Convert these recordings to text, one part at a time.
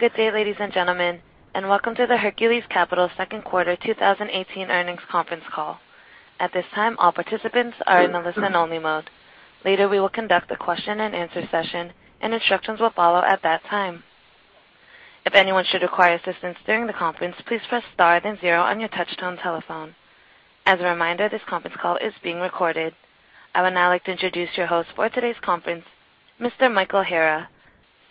Good day, ladies and gentlemen, and welcome to the Hercules Capital second quarter 2018 earnings conference call. At this time, all participants are in listen only mode. Later, we will conduct a question and answer session, and instructions will follow at that time. If anyone should require assistance during the conference, please press star then zero on your touchtone telephone. As a reminder, this conference call is being recorded. I would now like to introduce your host for today's conference, Mr. Michael Hara,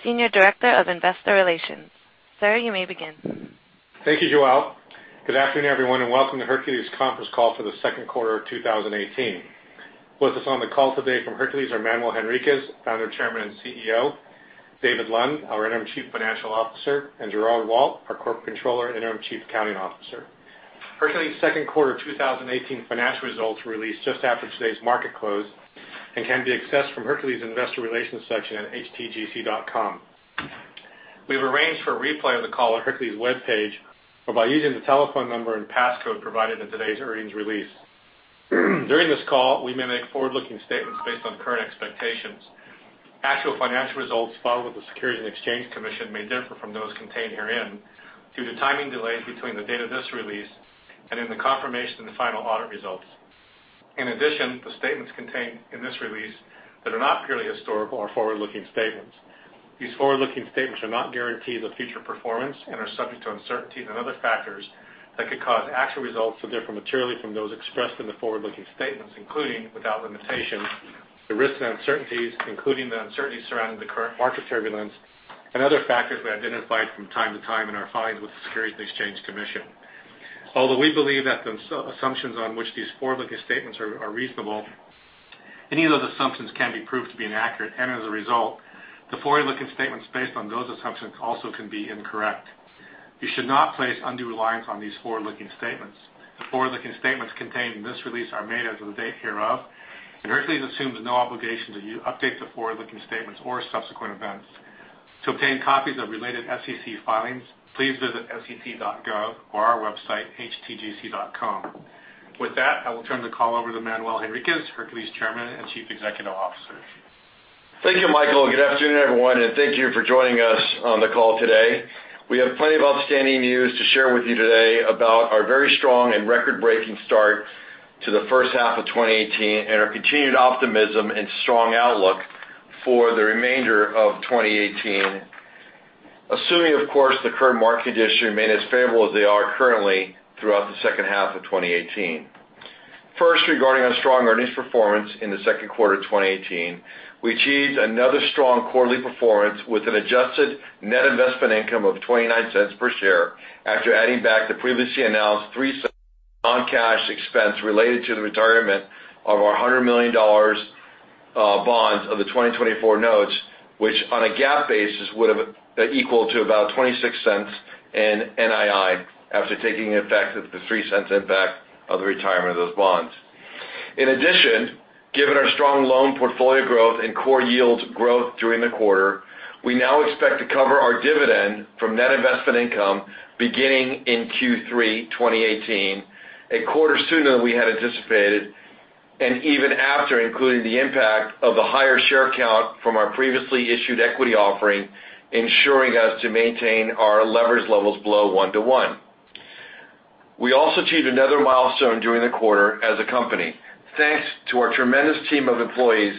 Senior Director of Investor Relations. Sir, you may begin. Thank you, Joelle. Good afternoon, everyone, and welcome to Hercules conference call for the second quarter of 2018. With us on the call today from Hercules are Manuel Henriquez, Founder, Chairman, and CEO, David Lund, our Interim Chief Financial Officer, and Gerard Waldt, our Corporate Controller, Interim Chief Accounting Officer. Hercules' second quarter 2018 financial results were released just after today's market close and can be accessed from Hercules' investor relations section at htgc.com. We have arranged for a replay of the call on Hercules' webpage or by using the telephone number and passcode provided in today's earnings release. During this call, we may make forward-looking statements based on current expectations. Actual financial results filed with the Securities and Exchange Commission may differ from those contained herein due to timing delays between the date of this release and in the confirmation of the final audit results. In addition, the statements contained in this release that are not purely historical are forward-looking statements. These forward-looking statements are not guarantees of future performance and are subject to uncertainties and other factors that could cause actual results to differ materially from those expressed in the forward-looking statements, including, without limitation, the risks and uncertainties, including the uncertainties surrounding the current market turbulence and other factors we have identified from time to time in our filings with the Securities and Exchange Commission. Although we believe that the assumptions on which these forward-looking statements are reasonable, any of those assumptions can be proved to be inaccurate, and as a result, the forward-looking statements based on those assumptions also can be incorrect. You should not place undue reliance on these forward-looking statements. The forward-looking statements contained in this release are made as of the date hereof. Hercules assumes no obligation to update the forward-looking statements or subsequent events. To obtain copies of related SEC filings, please visit sec.gov or our website, htgc.com. With that, I will turn the call over to Manuel Henriquez, Hercules Chairman and Chief Executive Officer. Thank you, Michael. Good afternoon, everyone, thank you for joining us on the call today. We have plenty of outstanding news to share with you today about our very strong and record-breaking start to the first half of 2018 and our continued optimism and strong outlook for the remainder of 2018, assuming, of course, the current market conditions remain as favorable as they are currently throughout the second half of 2018. First, regarding our strong earnings performance in the second quarter 2018, we achieved another strong quarterly performance with an adjusted net investment income of $0.29 per share after adding back the previously announced $0.03 non-cash expense related to the retirement of our $100 million bonds of the 2024 notes, which on a GAAP basis would've equaled to about $0.26 in NII after taking the effect of the $0.03 impact of the retirement of those bonds. In addition, given our strong loan portfolio growth and core yields growth during the quarter, we now expect to cover our dividend from net investment income beginning in Q3 2018, a quarter sooner than we had anticipated and even after including the impact of the higher share count from our previously issued equity offering, ensuring us to maintain our leverage levels below 1 to 1. We also achieved another milestone during the quarter as a company, thanks to our tremendous team of employees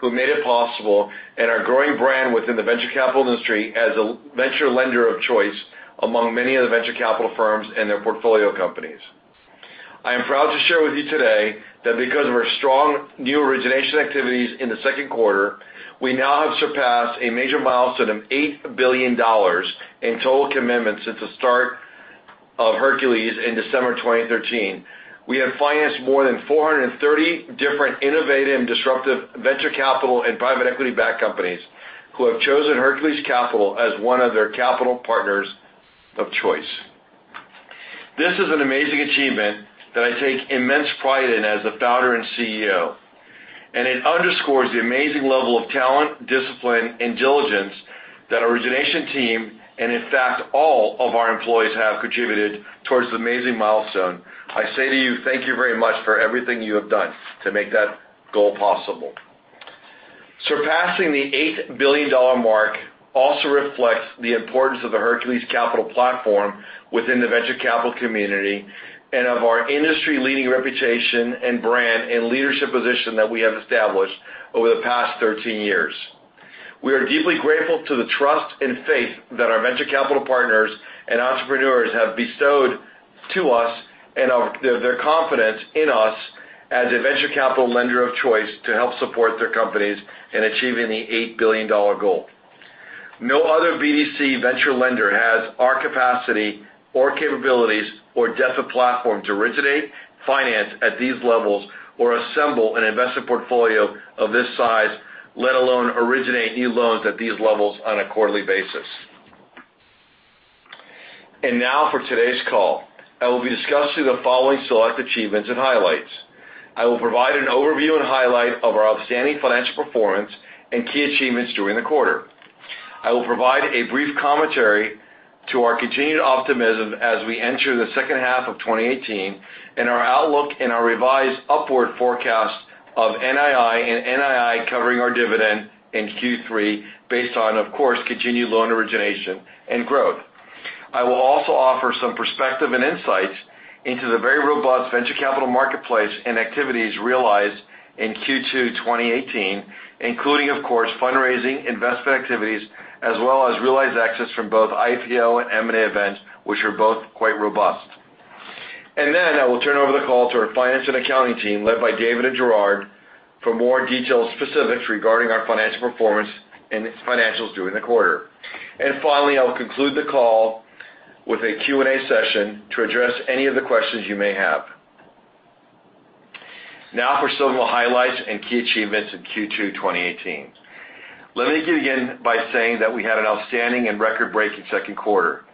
who made it possible and our growing brand within the venture capital industry as a venture lender of choice among many of the venture capital firms and their portfolio companies. I am proud to share with you today that because of our strong new origination activities in the second quarter, we now have surpassed a major milestone of $8 billion in total commitments since the start of Hercules in December 2013. We have financed more than 430 different innovative and disruptive venture capital and private equity-backed companies who have chosen Hercules Capital as one of their capital partners of choice. This is an amazing achievement that I take immense pride in as the founder and CEO, it underscores the amazing level of talent, discipline, and diligence that our origination team and, in fact, all of our employees have contributed towards this amazing milestone. I say to you, thank you very much for everything you have done to make that goal possible. Surpassing the $8 billion mark also reflects the importance of the Hercules Capital platform within the venture capital community and of our industry-leading reputation and brand and leadership position that we have established over the past 13 years. We are deeply grateful to the trust and faith that our venture capital partners and entrepreneurs have bestowed to us and their confidence in us as a venture capital lender of choice to help support their companies in achieving the $8 billion goal. No other BDC venture lender has our capacity or capabilities or depth of platform to originate finance at these levels or assemble an investment portfolio of this size, let alone originate new loans at these levels on a quarterly basis. Now for today's call. I will be discussing the following select achievements and highlights. I will provide an overview and highlight of our outstanding financial performance and key achievements during the quarter. I will provide a brief commentary to our continued optimism as we enter the second half of 2018, and our outlook and our revised upward forecast of NII and NII covering our dividend in Q3 based on, of course, continued loan origination and growth. I will also offer some perspective and insights into the very robust venture capital marketplace and activities realized in Q2 2018, including, of course, fundraising investment activities, as well as realized exits from both IPO and M&A events, which were both quite robust. Then I will turn over the call to our finance and accounting team, led by David and Gerard for more detailed specifics regarding our financial performance and financials during the quarter. Finally, I will conclude the call with a Q&A session to address any of the questions you may have. Now for some of our highlights and key achievements in Q2 2018. Let me begin by saying that we had an outstanding and record-breaking second quarter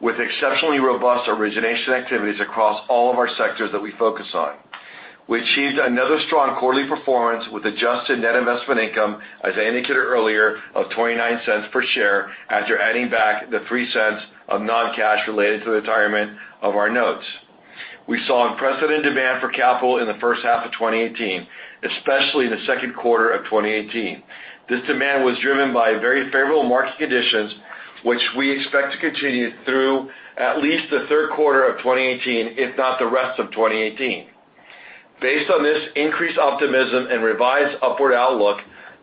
with exceptionally robust origination activities across all of our sectors that we focus on. We achieved another strong quarterly performance with adjusted net investment income, as I indicated earlier, of $0.29 per share, after adding back the $0.03 of non-cash related to the retirement of our notes. We saw unprecedented demand for capital in the first half of 2018, especially in the second quarter of 2018. This demand was driven by very favorable market conditions, which we expect to continue through at least the third quarter of 2018, if not the rest of 2018. Based on this increased optimism and revised upward outlook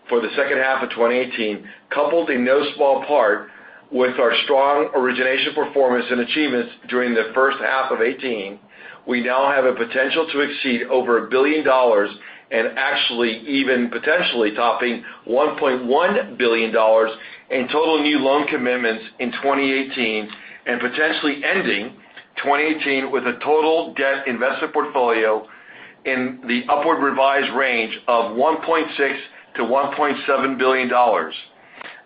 for the second half of 2018, coupled in no small part with our strong origination performance and achievements during the first half of 2018, we now have a potential to exceed over $1 billion and actually even potentially topping $1.1 billion in total new loan commitments in 2018 and potentially ending 2018 with a total debt investment portfolio in the upward revised range of $1.6 billion-$1.7 billion.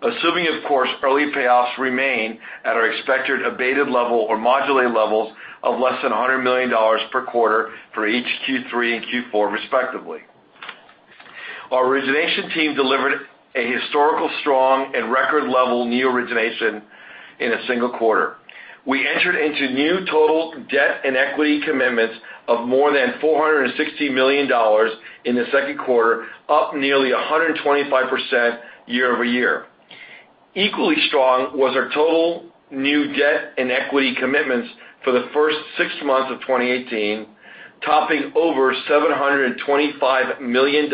Assuming, of course, early payoffs remain at our expected abated level or modulated levels of less than $100 million per quarter for each Q3 and Q4 respectively. Our origination team delivered a historical strong and record level new origination in a single quarter. We entered into new total debt and equity commitments of more than $460 million in the second quarter, up nearly 125% year-over-year. Equally strong was our total new debt and equity commitments for the first six months of 2018, topping over $725 million,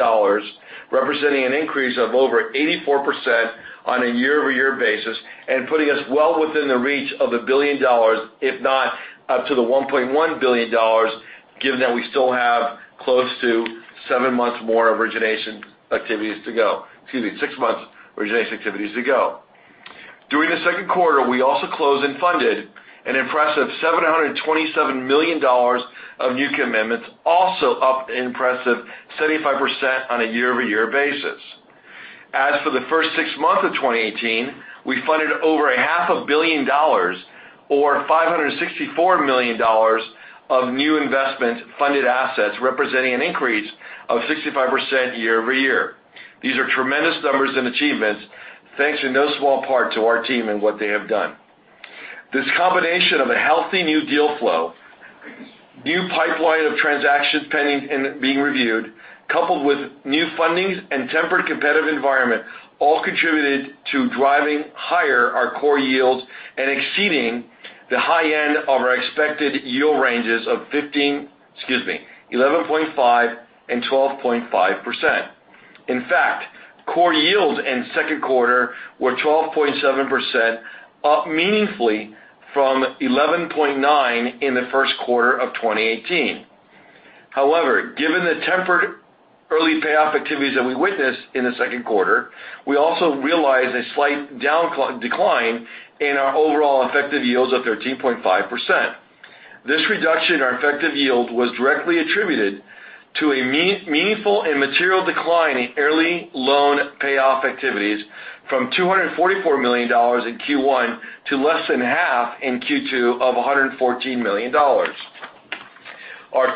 representing an increase of over 84% on a year-over-year basis and putting us well within the reach of $1 billion, if not up to $1.1 billion, given that we still have close to seven months more of origination activities to go. Excuse me, six months origination activities to go. During the second quarter, we also closed and funded an impressive $727 million of new commitments, also up an impressive 75% on a year-over-year basis. As for the first six months of 2018, we funded over a half a billion dollars or $564 million of new investment funded assets, representing an increase of 65% year-over-year. These are tremendous numbers and achievements, thanks in no small part to our team and what they have done. This combination of a healthy new deal flow, new pipeline of transactions pending and being reviewed, coupled with new fundings and tempered competitive environment, all contributed to driving higher our core yields and exceeding the high end of our expected yield ranges of 15, excuse me, 11.5% and 12.5%. In fact, core yields in the second quarter were 12.7%, up meaningfully from 11.9% in the first quarter of 2018. However, given the tempered early payoff activities that we witnessed in the second quarter, we also realized a slight decline in our overall effective yields of 13.5%. This reduction in our effective yield was directly attributed to a meaningful and material decline in early loan payoff activities from $244 million in Q1 to less than half in Q2 of $114 million. Our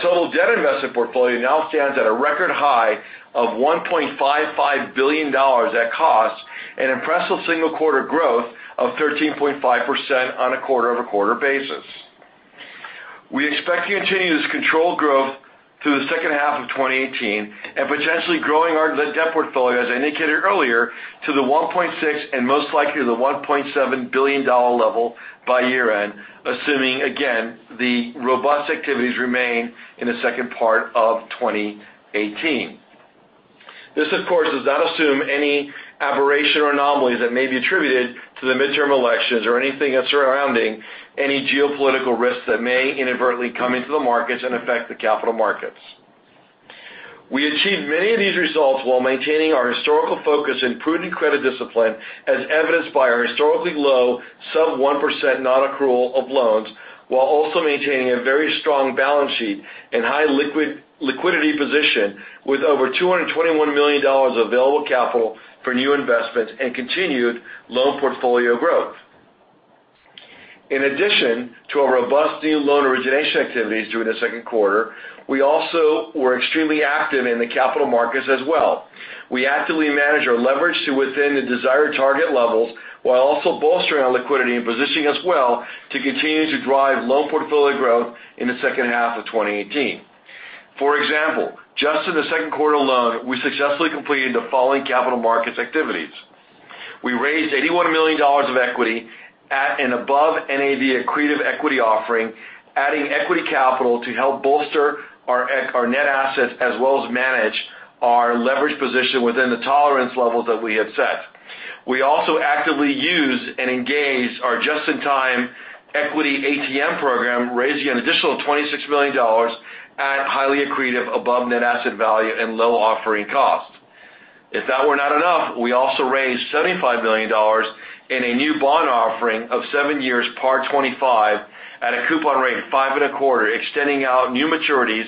total debt investment portfolio now stands at a record high of $1.55 billion at cost and impressive single quarter growth of 13.5% on a quarter-over-quarter basis. We expect to continue this controlled growth through the second half of 2018 and potentially growing our debt portfolio, as I indicated earlier, to the $1.6 billion and most likely the $1.7 billion level by year-end, assuming, again, the robust activities remain in the second part of 2018. This, of course, does not assume any aberration or anomalies that may be attributed to the midterm elections or anything else surrounding any geopolitical risks that may inadvertently come into the markets and affect the capital markets. We achieved many of these results while maintaining our historical focus in prudent credit discipline, as evidenced by our historically low sub 1% non-accrual of loans, while also maintaining a very strong balance sheet and high liquidity position with over $221 million of available capital for new investments and continued loan portfolio growth. In addition to our robust new loan origination activities during the second quarter, we also were extremely active in the capital markets as well. We actively manage our leverage to within the desired target levels while also bolstering our liquidity and positioning us well to continue to drive loan portfolio growth in the second half of 2018. For example, just in the second quarter alone, we successfully completed the following capital markets activities. We raised $81 million of equity at an above NAV accretive equity offering, adding equity capital to help bolster our net assets, as well as manage our leverage position within the tolerance levels that we have set. We also actively use and engage our Just-In-Time Equity ATM program, raising an additional $26 million at highly accretive above net asset value and low offering cost. If that were not enough, we also raised $75 million in a new bond offering of seven years, par 25, at a coupon rate of five and a quarter, extending out new maturities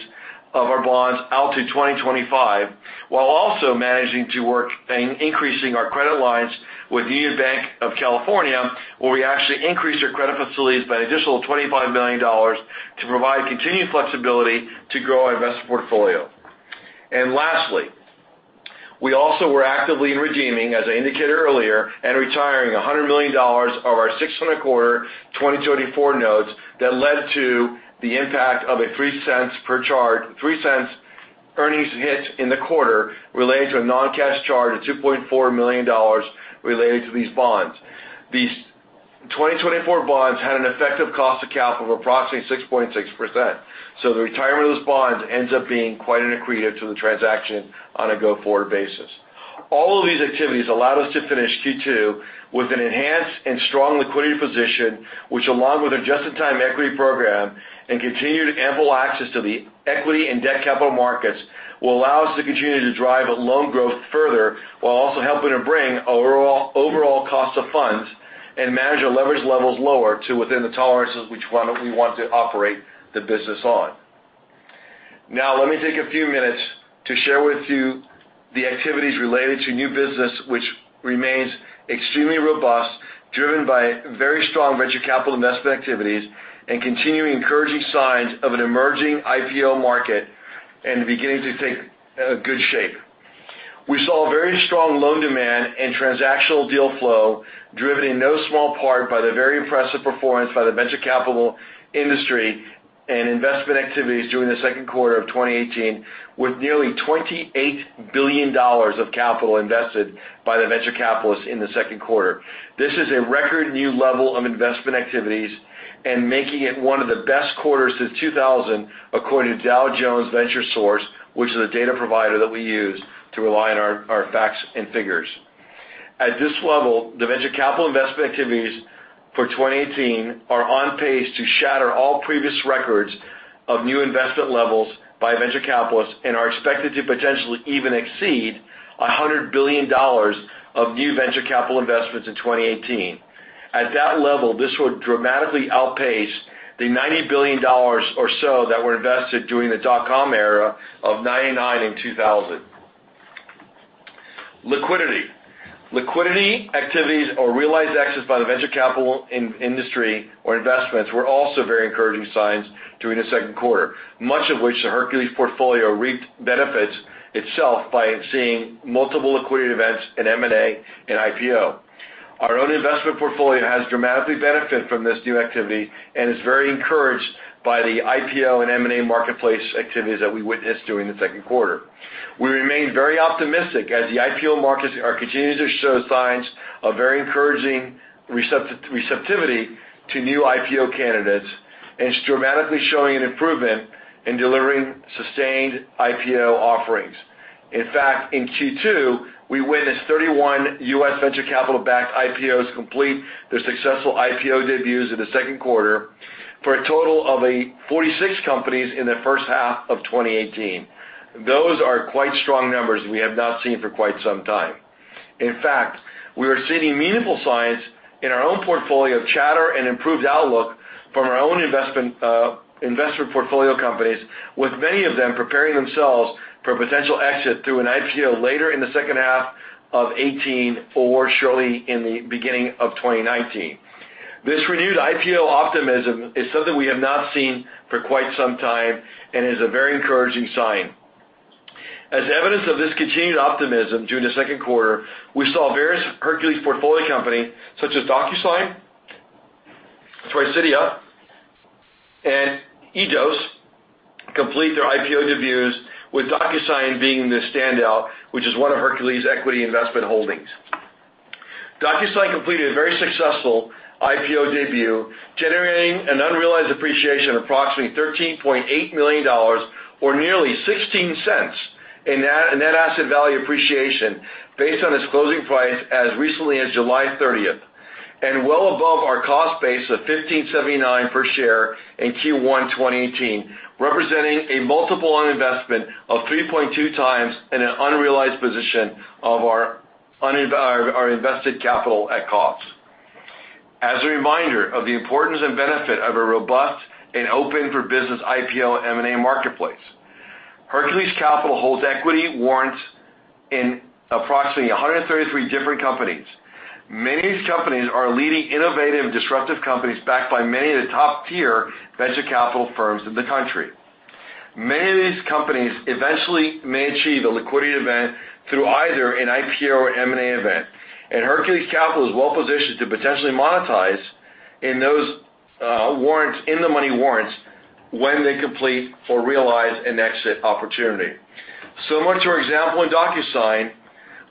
of our bonds out to 2025, while also managing to work in increasing our credit lines with Union Bank of California, where we actually increased our credit facilities by an additional $25 million to provide continued flexibility to grow our investment portfolio. Lastly, we also were actively redeeming, as I indicated earlier, and retiring $100 million of our six and a quarter 2024 notes that led to the impact of a $0.03 earnings hit in the quarter related to a non-cash charge of $2.4 million related to these bonds. These 2024 bonds had an effective cost of capital of approximately 6.6%, so the retirement of those bonds ends up being quite an accretive to the transaction on a go-forward basis. All of these activities allowed us to finish Q2 with an enhanced and strong liquidity position, which, along with a just-in-time equity program and continued ample access to the equity and debt capital markets, will allow us to continue to drive loan growth further, while also helping to bring overall cost of funds and manage our leverage levels lower to within the tolerances which we want to operate the business on. Let me take a few minutes to share with you the activities related to new business, which remains extremely robust, driven by very strong venture capital investment activities and continuing encouraging signs of an emerging IPO market and beginning to take a good shape. We saw very strong loan demand and transactional deal flow driven in no small part by the very impressive performance by the venture capital industry and investment activities during the second quarter of 2018, with nearly $28 billion of capital invested by the venture capitalists in the second quarter. This is a record new level of investment activities and making it one of the best quarters since 2000, according to Dow Jones VentureSource, which is a data provider that we use to rely on our facts and figures. At this level, the venture capital investment activities for 2018 are on pace to shatter all previous records of new investment levels by venture capitalists and are expected to potentially even exceed $100 billion of new venture capital investments in 2018. At that level, this would dramatically outpace the $90 billion or so that were invested during the dot-com era of 1999 and 2000. Liquidity activities or realized exits by the venture capital industry or investments were also very encouraging signs during the second quarter, much of which the Hercules portfolio reaped benefits itself by seeing multiple liquidity events in M&A and IPO. Our own investment portfolio has dramatically benefited from this new activity and is very encouraged by the IPO and M&A marketplace activities that we witnessed during the second quarter. We remain very optimistic as the IPO markets are continuing to show signs of very encouraging receptivity to new IPO candidates and is dramatically showing an improvement in delivering sustained IPO offerings. In Q2, we witnessed 31 U.S. venture capital-backed IPOs complete their successful IPO debuts in the second quarter for a total of 46 companies in the first half of 2018. Those are quite strong numbers we have not seen for quite some time. We are seeing meaningful signs in our own portfolio of chatter and improved outlook from our own investor portfolio companies, with many of them preparing themselves for a potential exit through an IPO later in the second half of 2018 or surely in the beginning of 2019. This renewed IPO optimism is something we have not seen for quite some time and is a very encouraging sign. As evidence of this continued optimism during the second quarter, we saw various Hercules portfolio companies, such as DocuSign, Tricida, and Eidos, complete their IPO debuts, with DocuSign being the standout, which is one of Hercules equity investment holdings. DocuSign completed a very successful IPO debut, generating an unrealized appreciation of approximately $13.8 million or nearly $0.16 in net asset value appreciation based on its closing price as recently as July 30th, and well above our cost base of $15.79 per share in Q1 2018, representing a multiple on investment of 3.2x and an unrealized position of our invested capital at cost. As a reminder of the importance and benefit of a robust and open-for-business IPO and M&A marketplace, Hercules Capital holds equity warrants in approximately 133 different companies. Many of these companies are leading innovative, disruptive companies backed by many of the top-tier venture capital firms in the country. Many of these companies eventually may achieve a liquidity event through either an IPO or M&A event, and Hercules Capital is well-positioned to potentially monetize in-the-money warrants when they complete or realize an exit opportunity. Similar to our example in DocuSign,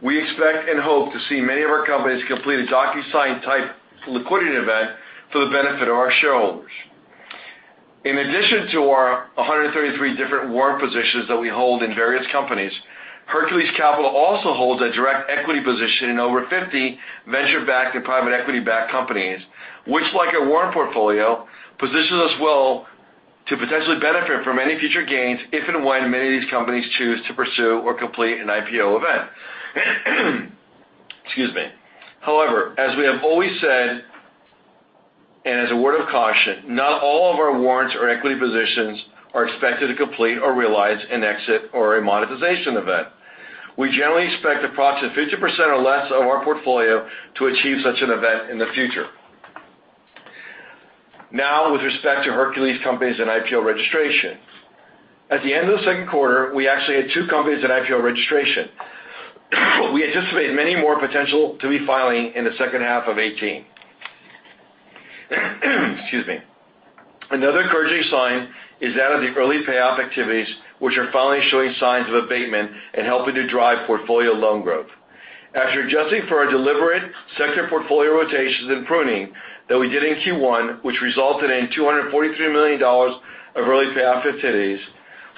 we expect and hope to see many of our companies complete a DocuSign-type liquidity event for the benefit of our shareholders. In addition to our 133 different warrant positions that we hold in various companies, Hercules Capital also holds a direct equity position in over 50 venture-backed and private equity-backed companies, which like our warrant portfolio, positions us well to potentially benefit from any future gains if and when many of these companies choose to pursue or complete an IPO event. Excuse me. As we have always said, and as a word of caution, not all of our warrants or equity positions are expected to complete or realize an exit or a monetization event. We generally expect approximately 50% or less of our portfolio to achieve such an event in the future. With respect to Hercules companies and IPO registration. At the end of the second quarter, we actually had two companies at IPO registration. We anticipate many more potential to be filing in the second half of 2018. Excuse me. Another encouraging sign is that of the early payoff activities, which are finally showing signs of abatement and helping to drive portfolio loan growth. After adjusting for our deliberate sector portfolio rotations and pruning that we did in Q1, which resulted in $243 million of early payoff activities,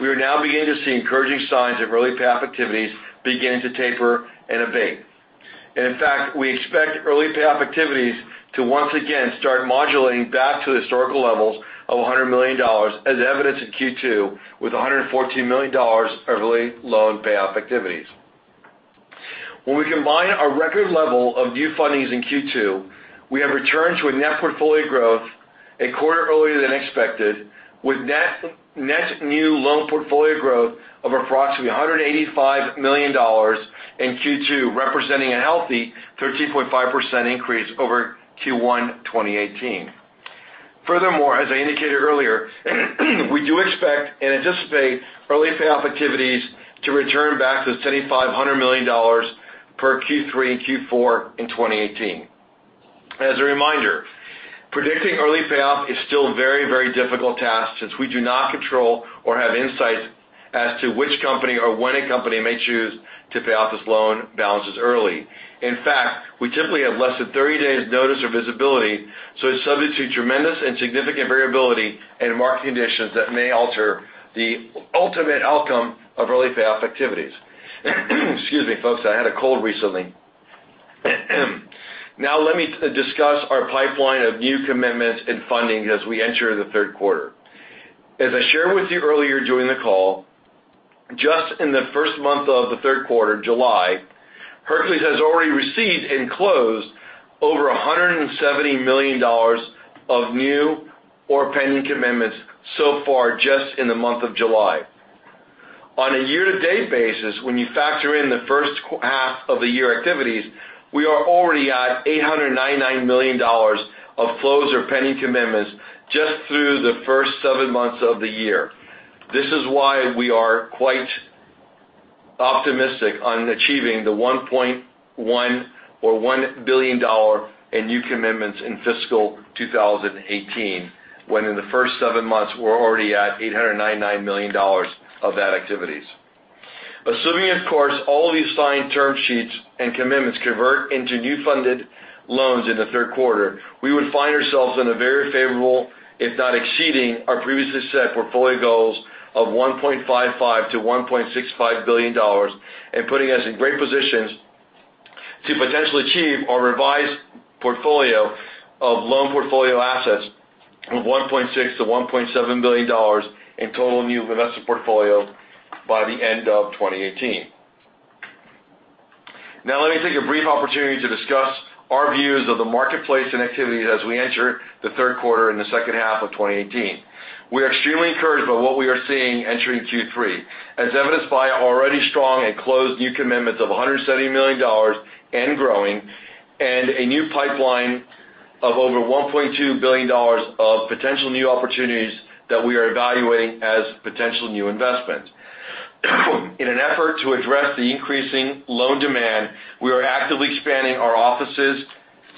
we are now beginning to see encouraging signs of early payoff activities beginning to taper and abate. In fact, we expect early payoff activities to once again start modulating back to the historical levels of $100 million, as evidenced in Q2 with $114 million of early loan payoff activities. When we combine our record level of new fundings in Q2, we have returned to a net portfolio growth a quarter earlier than expected, with net new loan portfolio growth of approximately $185 million in Q2, representing a healthy 13.5% increase over Q1 2018. Furthermore, as I indicated earlier, we do expect and anticipate early payoff activities to return back to the $75 million-$100 million per Q3 and Q4 in 2018. As a reminder, predicting early payoff is still a very, very difficult task since we do not control or have insights as to which company or when a company may choose to pay off its loan balances early. In fact, we typically have less than 30 days notice or visibility, so it's subject to tremendous and significant variability and market conditions that may alter the ultimate outcome of early payoff activities. Excuse me, folks. I had a cold recently. Let me discuss our pipeline of new commitments and funding as we enter the third quarter. As I shared with you earlier during the call, just in the first month of the third quarter, July, Hercules has already received and closed over $170 million of new or pending commitments so far just in the month of July. On a year-to-date basis, when you factor in the first half of the year activities, we are already at $899 million of flows or pending commitments just through the first seven months of the year. This is why we are quite optimistic on achieving the $1.1 billion or $1 billion in new commitments in fiscal 2018, when in the first seven months, we're already at $899 million of that activities. Assuming, of course, all of these signed term sheets and commitments convert into new funded loans in the third quarter, we would find ourselves in a very favorable, if not exceeding, our previously set portfolio goals of $1.55 billion-$1.65 billion, and putting us in great positions to potentially achieve our revised portfolio of loan portfolio assets of $1.6 billion-$1.7 billion in total new investment portfolio by the end of 2018. Let me take a brief opportunity to discuss our views of the marketplace and activities as we enter the third quarter and the second half of 2018. We are extremely encouraged by what we are seeing entering Q3. As evidenced by our already strong and closed new commitments of $170 million and growing, and a new pipeline of over $1.2 billion of potential new opportunities that we are evaluating as potential new investments. In an effort to address the increasing loan demand, we are actively expanding our offices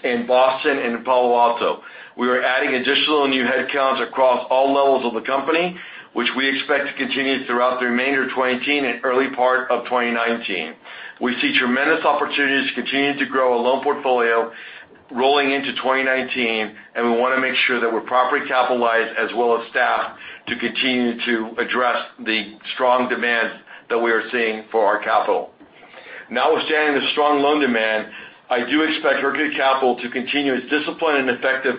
in Boston and Palo Alto. We are adding additional new headcounts across all levels of the company, which we expect to continue throughout the remainder of 2018 and early part of 2019. We see tremendous opportunities to continue to grow our loan portfolio rolling into 2019, we want to make sure that we're properly capitalized as well as staffed to continue to address the strong demands that we are seeing for our capital. Notwithstanding the strong loan demand, I do expect Hercules Capital to continue its disciplined and effective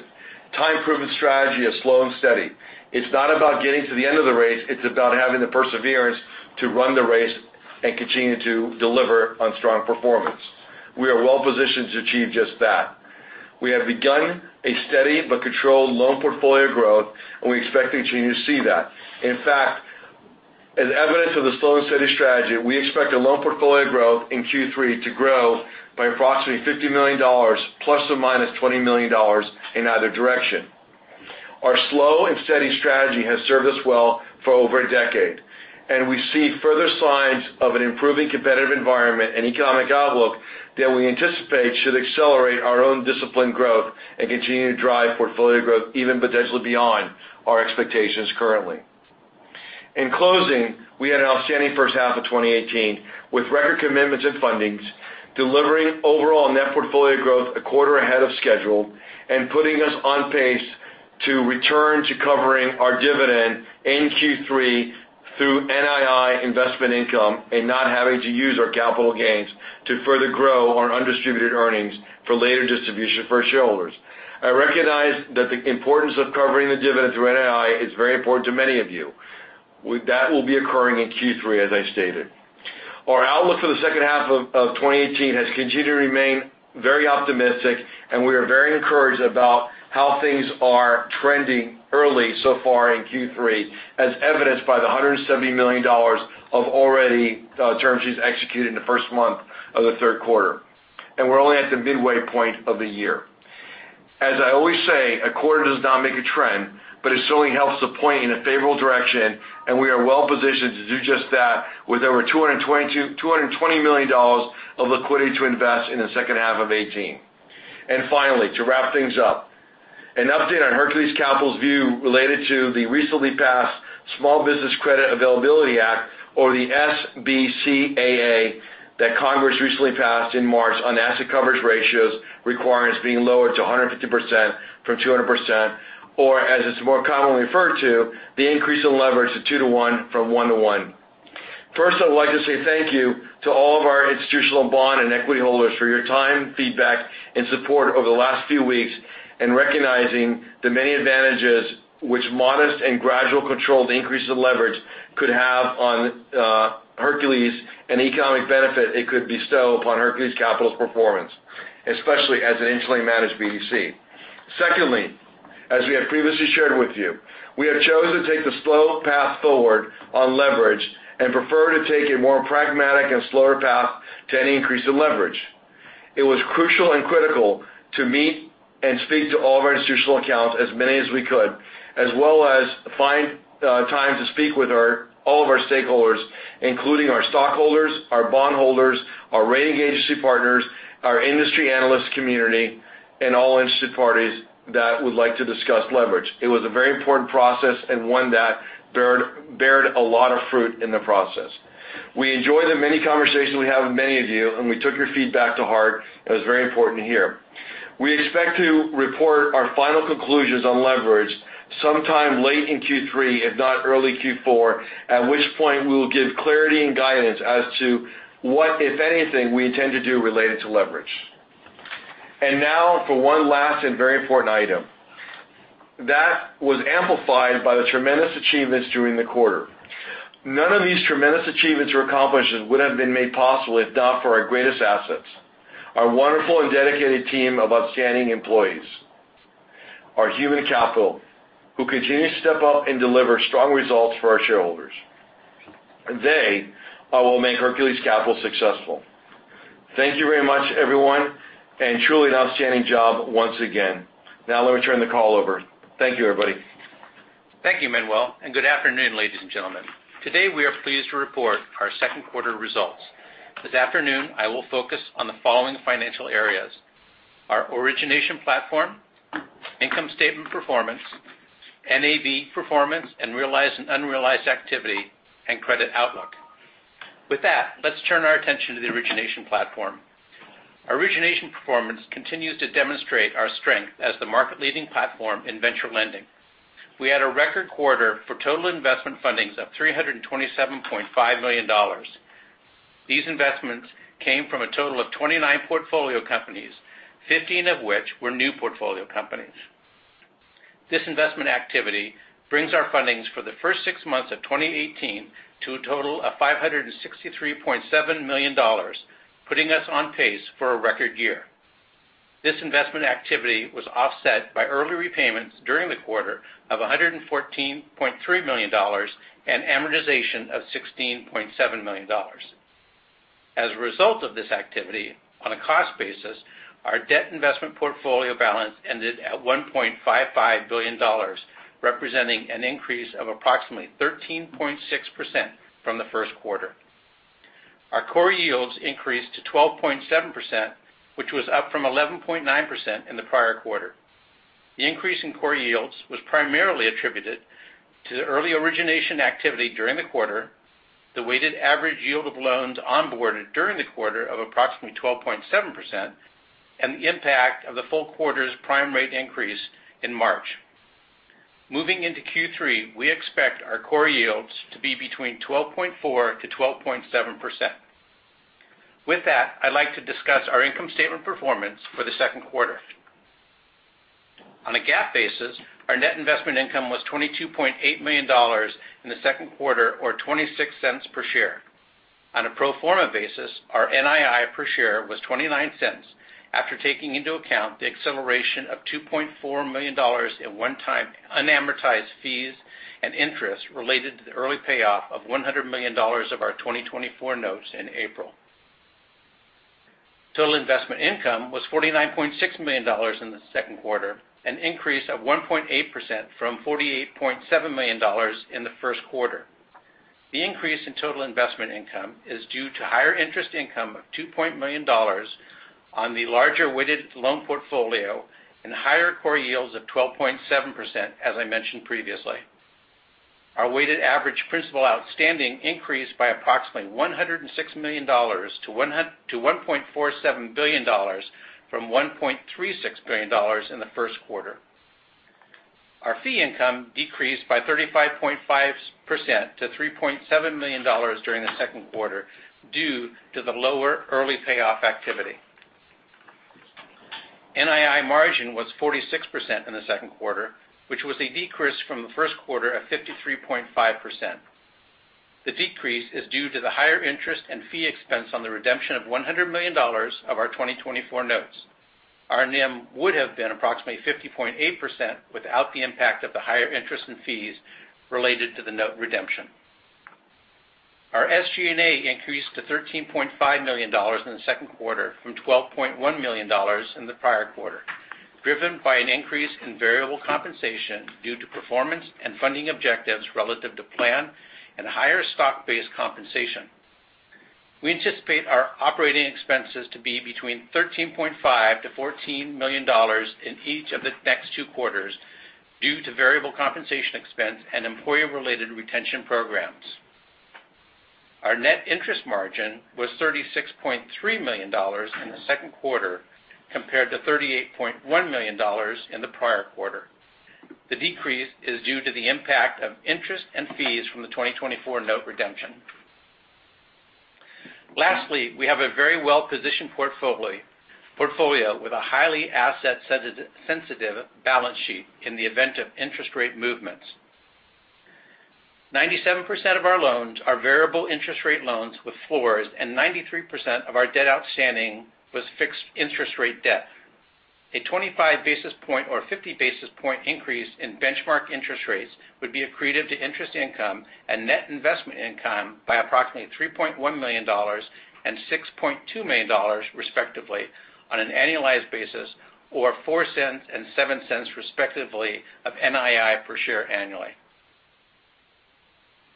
time-proven strategy of slow and steady. It's not about getting to the end of the race, it's about having the perseverance to run the race and continue to deliver on strong performance. We are well-positioned to achieve just that. We have begun a steady but controlled loan portfolio growth, and we expect to continue to see that. In fact, as evidence of the slow and steady strategy, we expect the loan portfolio growth in Q3 to grow by approximately $50 million, ±$20 million in either direction. Our slow and steady strategy has served us well for over a decade, we see further signs of an improving competitive environment and economic outlook that we anticipate should accelerate our own disciplined growth and continue to drive portfolio growth even potentially beyond our expectations currently. In closing, we had an outstanding first half of 2018, with record commitments and fundings, delivering overall net portfolio growth a quarter ahead of schedule, and putting us on pace to return to covering our dividend in Q3 through NII investment income and not having to use our capital gains to further grow our undistributed earnings for later distribution for our shareholders. I recognize that the importance of covering the dividends through NII is very important to many of you. That will be occurring in Q3, as I stated. Our outlook for the second half of 2018 has continued to remain very optimistic, we are very encouraged about how things are trending early so far in Q3, as evidenced by the $170 million of already term sheets executed in the first month of the third quarter. We're only at the midway point of the year. As I always say, a quarter does not make a trend, it certainly helps to point in a favorable direction, we are well-positioned to do just that, with over $220 million of liquidity to invest in the second half of 2018. To wrap things up, an update on Hercules Capital's view related to the recently passed Small Business Credit Availability Act, or the SBCAA, that Congress recently passed in March on asset coverage ratios requirements being lowered to 150% from 200%, or, as it's more commonly referred to, the increase in leverage to 2 to 1 from 1 to 1. First, I would like to say thank you to all of our institutional bond and equity holders for your time, feedback, and support over the last few weeks in recognizing the many advantages which modest and gradual controlled increase of leverage could have on Hercules and the economic benefit it could bestow upon Hercules Capital's performance, especially as an internally managed BDC. Secondly, as we have previously shared with you, we have chosen to take the slow path forward on leverage and prefer to take a more pragmatic and slower path to any increase in leverage. It was crucial and critical to meet and speak to all of our institutional accounts, as many as we could, as well as find time to speak with all of our stakeholders, including our stockholders, our bondholders, our rating agency partners, our industry analyst community, and all interested parties that would like to discuss leverage. It was a very important process and one that beared a lot of fruit in the process. We enjoy the many conversations we have with many of you, and we took your feedback to heart. It was very important to hear. We expect to report our final conclusions on leverage sometime late in Q3, if not early Q4, at which point we will give clarity and guidance as to what, if anything, we intend to do related to leverage. Now for one last and very important item that was amplified by the tremendous achievements during the quarter. None of these tremendous achievements or accomplishments would have been made possible if not for our greatest assets, our wonderful and dedicated team of outstanding employees, our human capital, who continue to step up and deliver strong results for our shareholders. They are what make Hercules Capital successful. Thank you very much, everyone, and truly an outstanding job once again. Now let me turn the call over. Thank you, everybody. Thank you, Manuel, good afternoon, ladies and gentlemen. Today, we are pleased to report our second quarter results. This afternoon, I will focus on the following financial areas: our origination platform, income statement performance, NAV performance, and realized and unrealized activity and credit outlook. With that, let's turn our attention to the origination platform. Our origination performance continues to demonstrate our strength as the market-leading platform in venture lending. We had a record quarter for total investment fundings of $327.5 million. These investments came from a total of 29 portfolio companies, 15 of which were new portfolio companies. This investment activity brings our fundings for the first six months of 2018 to a total of $563.7 million, putting us on pace for a record year. This investment activity was offset by early repayments during the quarter of $114.3 million and amortization of $16.7 million. As a result of this activity, on a cost basis, our debt investment portfolio balance ended at $1.55 billion, representing an increase of approximately 13.6% from the first quarter. Our core yields increased to 12.7%, which was up from 11.9% in the prior quarter. The increase in core yields was primarily attributed to the early origination activity during the quarter, the weighted average yield of loans onboarded during the quarter of approximately 12.7%, and the impact of the full quarter's prime rate increase in March. Moving into Q3, we expect our core yields to be between 12.4%-12.7%. With that, I'd like to discuss our income statement performance for the second quarter. On a GAAP basis, our net investment income was $22.8 million in the second quarter, or $0.26 per share. On a pro forma basis, our NII per share was $0.29, after taking into account the acceleration of $2.4 million in one-time unamortized fees and interest related to the early payoff of $100 million of our 2024 notes in April. Total investment income was $49.6 million in the second quarter, an increase of 1.8% from $48.7 million in the first quarter. The increase in total investment income is due to higher interest income of $2 million on the larger weighted loan portfolio and higher core yields of 12.7%, as I mentioned previously. Our weighted average principal outstanding increased by approximately $106 million to $1.47 billion from $1.36 billion in the first quarter. Our fee income decreased by 35.5% to $3.7 million during the second quarter due to the lower early payoff activity. NII margin was 46% in the second quarter, which was a decrease from the first quarter of 53.5%. The decrease is due to the higher interest and fee expense on the redemption of $100 million of our 2024 notes. Our NIM would have been approximately 50.8% without the impact of the higher interest and fees related to the note redemption. Our SG&A increased to $13.5 million in the second quarter from $12.1 million in the prior quarter, driven by an increase in variable compensation due to performance and funding objectives relative to plan and higher stock-based compensation. We anticipate our operating expenses to be between $13.5 million-$14 million in each of the next two quarters due to variable compensation expense and employee-related retention programs. Our net interest margin was $36.3 million in the second quarter, compared to $38.1 million in the prior quarter. The decrease is due to the impact of interest and fees from the 2024 note redemption. Lastly, we have a very well-positioned portfolio with a highly asset-sensitive balance sheet in the event of interest rate movements. 97% of our loans are variable interest rate loans with floors, and 93% of our debt outstanding was fixed interest rate debt. A 25 basis point or 50 basis point increase in benchmark interest rates would be accretive to interest income and net investment income by approximately $3.1 million and $6.2 million, respectively, on an annualized basis, or $0.04 and $0.07, respectively, of NII per share annually.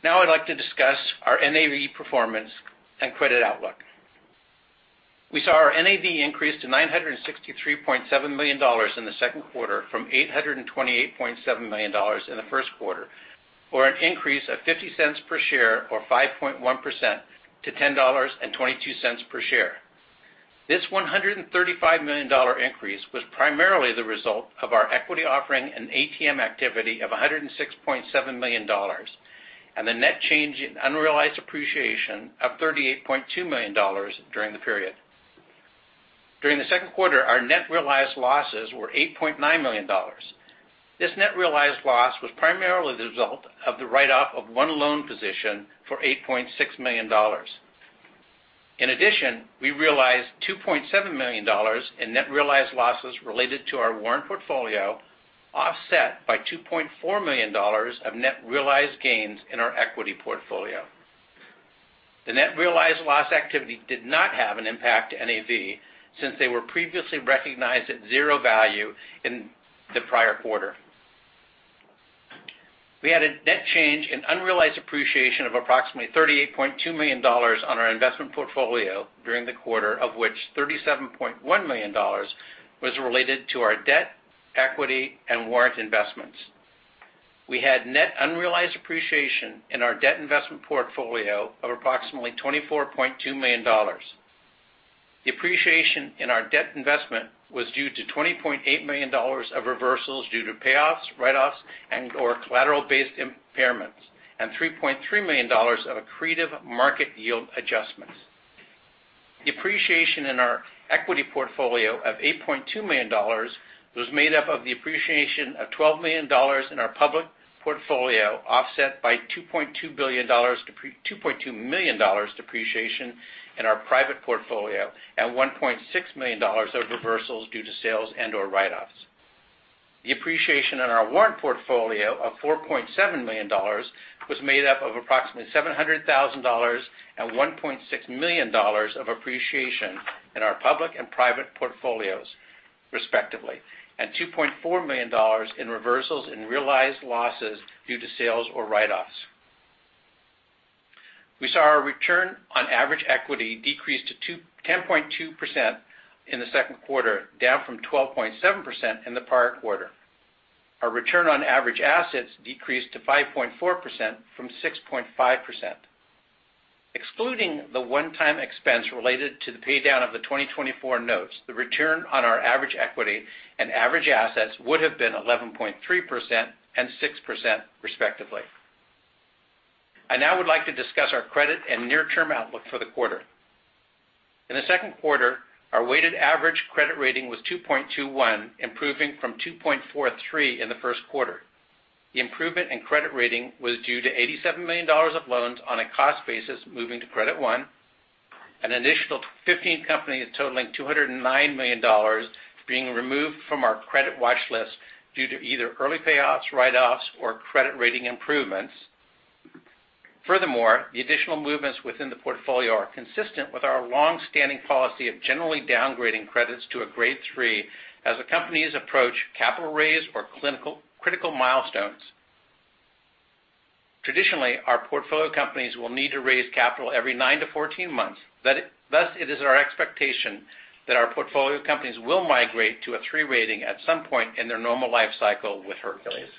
Now I'd like to discuss our NAV performance and credit outlook. We saw our NAV increase to $963.7 million in the second quarter from $828.7 million in the first quarter, or an increase of $0.50 per share or 5.1% to $10.22 per share. This $135 million increase was primarily the result of our equity offering and ATM activity of $106.7 million, and the net change in unrealized appreciation of $38.2 million during the period. During the second quarter, our net realized losses were $8.9 million. This net realized loss was primarily the result of the write-off of one loan position for $8.6 million. In addition, we realized $2.7 million in net realized losses related to our warrant portfolio, offset by $2.4 million of net realized gains in our equity portfolio. The net realized loss activity did not have an impact to NAV since they were previously recognized at zero value in the prior quarter. We had a net change in unrealized appreciation of approximately $38.2 million on our investment portfolio during the quarter, of which $37.1 million was related to our debt, equity, and warrant investments. We had net unrealized appreciation in our debt investment portfolio of approximately $24.2 million. The appreciation in our debt investment was due to $20.8 million of reversals due to payoffs, write-offs, and/or collateral-based impairments, and $3.3 million of accretive market yield adjustments. The appreciation in our equity portfolio of $8.2 million was made up of the appreciation of $12 million in our public portfolio, offset by $2.2 million depreciation in our private portfolio and $1.6 million of reversals due to sales and/or write-offs. The appreciation in our warrant portfolio of $4.7 million was made up of approximately $700,000 and $1.6 million of appreciation in our public and private portfolios, respectively, and $2.4 million in reversals in realized losses due to sales or write-offs. We saw our return on average equity decrease to 10.2% in the second quarter, down from 12.7% in the prior quarter. Our return on average assets decreased to 5.4% from 6.5%. Excluding the one-time expense related to the pay-down of the 2024 notes, the return on our average equity and average assets would have been 11.3% and 6%, respectively. I now would like to discuss our credit and near-term outlook for the quarter. In the second quarter, our weighted average credit rating was 2.21, improving from 2.43 in the first quarter. The improvement in credit rating was due to $87 million of loans on a cost basis moving to credit 1, an additional 15 companies totaling $209 million being removed from our credit watchlist due to either early payoffs, write-offs, or credit rating improvements. The additional movements within the portfolio are consistent with our longstanding policy of generally downgrading credits to a Grade 3 as the companies approach capital raise or critical milestones. Traditionally, our portfolio companies will need to raise capital every nine to 14 months. It is our expectation that our portfolio companies will migrate to a 3 rating at some point in their normal life cycle with Hercules.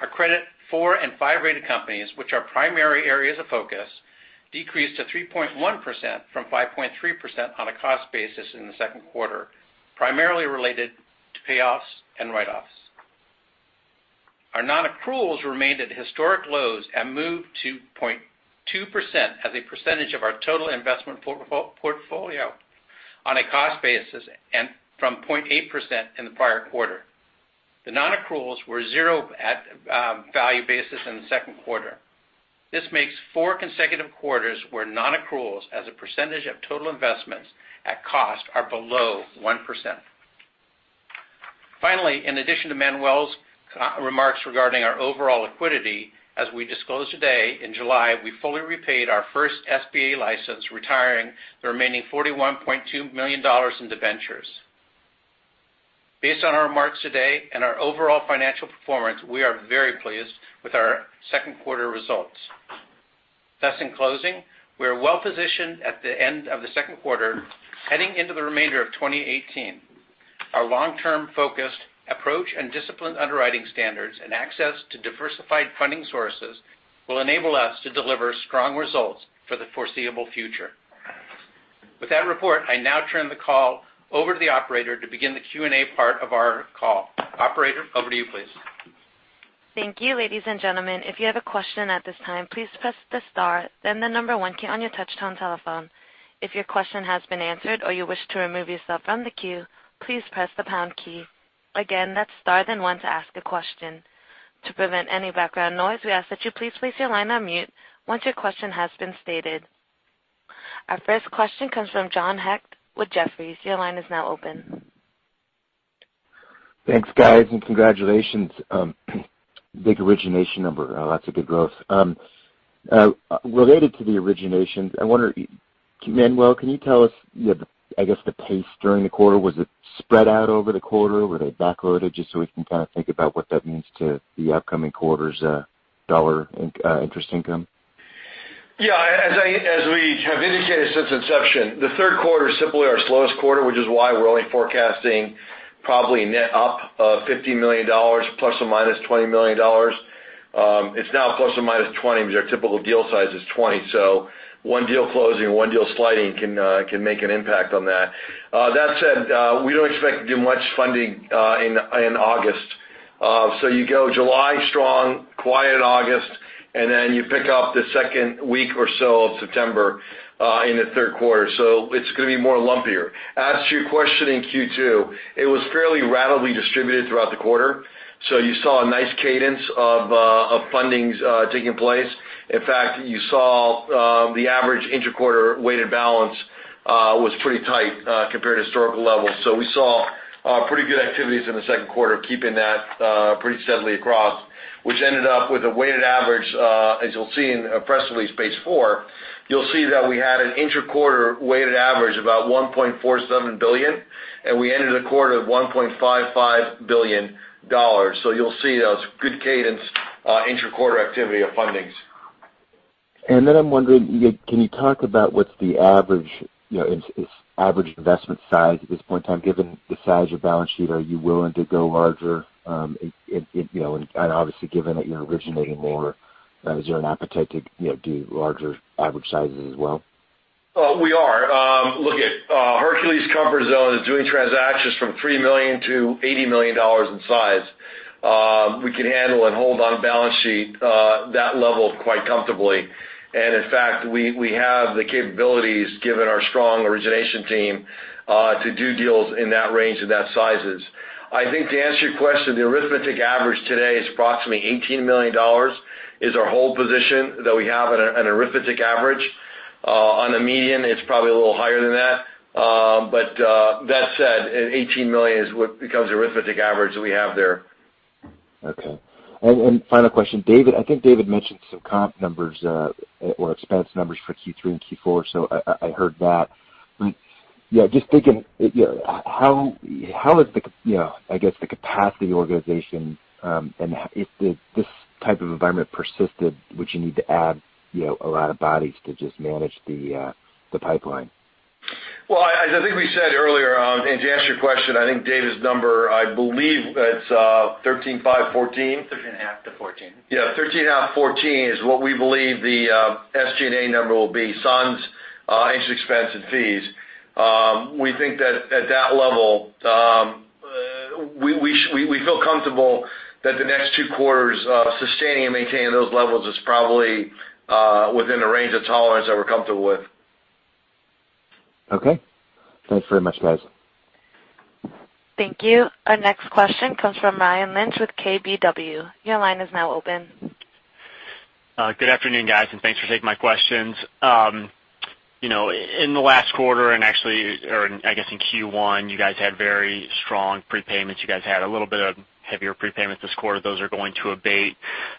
Our Credit 4 and 5 rated companies, which are primary areas of focus, decreased to 3.1% from 5.3% on a cost basis in the second quarter, primarily related to payoffs and write-offs. Our non-accruals remained at historic lows and moved to 0.2% as a percentage of our total investment portfolio on a cost basis from 0.8% in the prior quarter. The non-accruals were zero at value basis in the second quarter. This makes four consecutive quarters where non-accruals as a percentage of total investments at cost are below 1%. Finally, in addition to Manuel's remarks regarding our overall liquidity, as we disclosed today, in July, we fully repaid our first SBA license, retiring the remaining $41.2 million in debentures. Based on our remarks today and our overall financial performance, we are very pleased with our second quarter results. In closing, we are well positioned at the end of the second quarter, heading into the remainder of 2018. Our long-term focused approach and disciplined underwriting standards and access to diversified funding sources will enable us to deliver strong results for the foreseeable future. With that report, I now turn the call over to the operator to begin the Q&A part of our call. Operator, over to you, please. Thank you, ladies and gentlemen. If you have a question at this time, please press the star then the number one key on your touchtone telephone. If your question has been answered or you wish to remove yourself from the queue, please press the pound key. Again, that's star then one to ask a question. To prevent any background noise, we ask that you please place your line on mute once your question has been stated. Our first question comes from John Hecht with Jefferies. Your line is now open. Thanks, guys, congratulations. Big origination number. Lots of good growth. Related to the originations, I wonder, Manuel, can you tell us the pace during the quarter? Was it spread out over the quarter? Were they backloaded? Just so we can kind of think about what that means to the upcoming quarter's dollar interest income. As we have indicated since inception, the third quarter is simply our slowest quarter, which is why we're only forecasting probably net up of $50 million ±$20 million. It's now ±$20 million because our typical deal size is $20 million. One deal closing, one deal sliding can make an impact on that. That said, we don't expect to do much funding in August. You go July strong, quiet August, and then you pick up the second week or so of September in the third quarter. It's going to be more lumpier. As to your question in Q2, it was fairly ratably distributed throughout the quarter. In fact, you saw the average inter-quarter weighted balance was pretty tight compared to historical levels. We saw pretty good activities in the second quarter, keeping that pretty steadily across, which ended up with a weighted average, as you'll see in press release page four. You'll see that we had an inter-quarter weighted average about $1.47 billion, and we ended the quarter at $1.55 billion. You'll see a good cadence inter-quarter activity of fundings. I'm wondering, can you talk about what's the average investment size at this point in time? Given the size of your balance sheet, are you willing to go larger? Obviously, given that you're originating more, is there an appetite to do larger average sizes as well? We are. Look, Hercules Comfort Zone is doing transactions from $3 million-$80 million in size. We can handle and hold on balance sheet that level quite comfortably. In fact, we have the capabilities, given our strong origination team, to do deals in that range of that sizes. I think to answer your question, the arithmetic average today is approximately $18 million, is our hold position that we have at an arithmetic average. On a median, it's probably a little higher than that. That said, $18 million is what becomes arithmetic average that we have there. Okay. Final question. I think David mentioned some comp numbers or expense numbers for Q3 and Q4. I heard that. Just thinking, how is the capacity of the organization, and if this type of environment persisted, would you need to add a lot of bodies to just manage the pipeline? Well, as I think we said earlier, to answer your question, I think David's number, I believe it's $13.5 million-$14 million. $13.5 million-$14 million. Yeah, $13.5 million-$14 million is what we believe the SG&A number will be, sans interest expense and fees. We think that at that level, we feel comfortable that the next two quarters sustaining and maintaining those levels is probably within the range of tolerance that we're comfortable with. Okay. Thanks very much, guys. Thank you. Our next question comes from Ryan Lynch with KBW. Your line is now open. Good afternoon, guys. Thanks for taking my questions. In the last quarter and actually, or I guess in Q1, you guys had very strong prepayments. You guys had a little bit of heavier prepayments this quarter. Those are going to abate.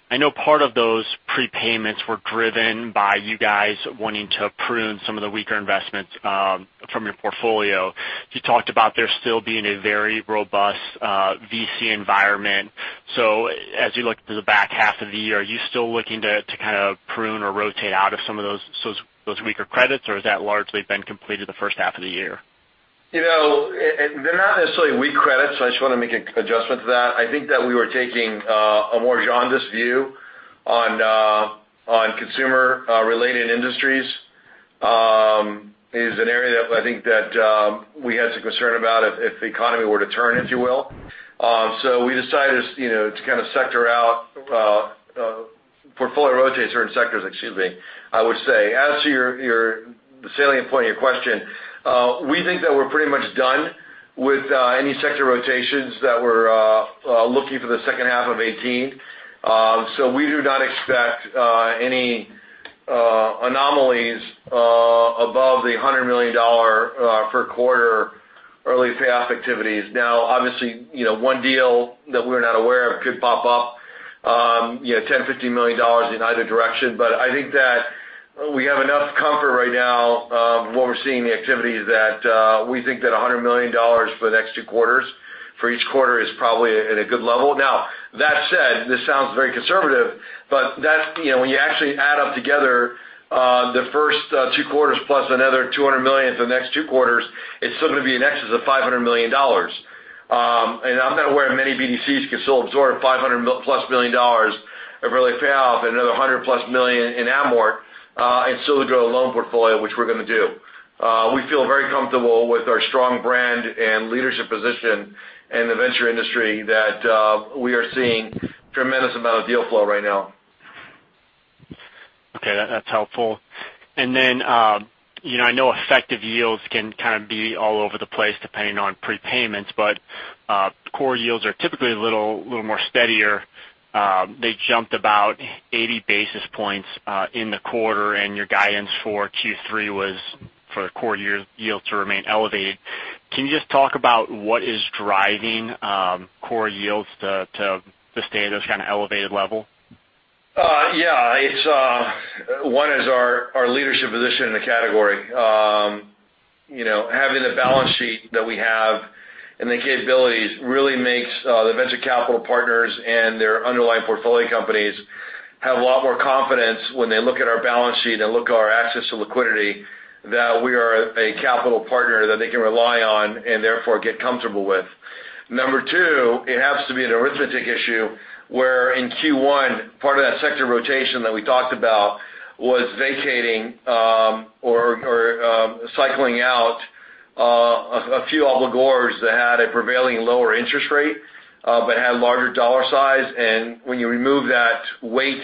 I know part of those prepayments were driven by you guys wanting to prune some of the weaker investments from your portfolio. You talked about there still being a very robust VC environment. As you look to the back half of the year, are you still looking to kind of prune or rotate out of some of those weaker credits, or has that largely been completed the first half of the year? They're not necessarily weak credits. I just want to make an adjustment to that. I think that we were taking a more jaundiced view on consumer-related industries. It is an area that I think that we had some concern about if the economy were to turn, if you will. We decided to kind of sector out portfolio rotations or sectors, excuse me, I would say. As to the salient point of your question, we think that we're pretty much done with any sector rotations that we're looking for the second half of 2018. We do not expect any anomalies above the $100 million per quarter early payoff activities. Now, obviously, one deal that we're not aware of could pop up, $10 million, $15 million in either direction. I think that we have enough comfort right now of what we're seeing in the activity that we think that $100 million for the next two quarters, for each quarter, is probably at a good level. That said, this sounds very conservative, when you actually add up together the first two quarters plus another $200 million for the next two quarters, it's still going to be in excess of $500 million. I'm not aware of many BDCs can still absorb $500-plus million of early payoff and another $100-plus million in amort and still grow a loan portfolio, which we're going to do. We feel very comfortable with our strong brand and leadership position in the venture industry that we are seeing tremendous amount of deal flow right now. Okay, that's helpful. I know effective yields can kind of be all over the place depending on prepayments, core yields are typically a little more steadier. They jumped about 80 basis points in the quarter, your guidance for Q3 was for the core yield to remain elevated. Can you just talk about what is driving core yields to stay at this kind of elevated level? Yeah. One is our leadership position in the category. Having the balance sheet that we have and the capabilities really makes the venture capital partners and their underlying portfolio companies have a lot more confidence when they look at our balance sheet and look at our access to liquidity, that we are a capital partner that they can rely on and therefore get comfortable with. Number 2, it has to be an arithmetic issue, where in Q1, part of that sector rotation that we talked about was vacating or cycling out a few obligors that had a prevailing lower interest rate but had larger dollar size. When you remove that weight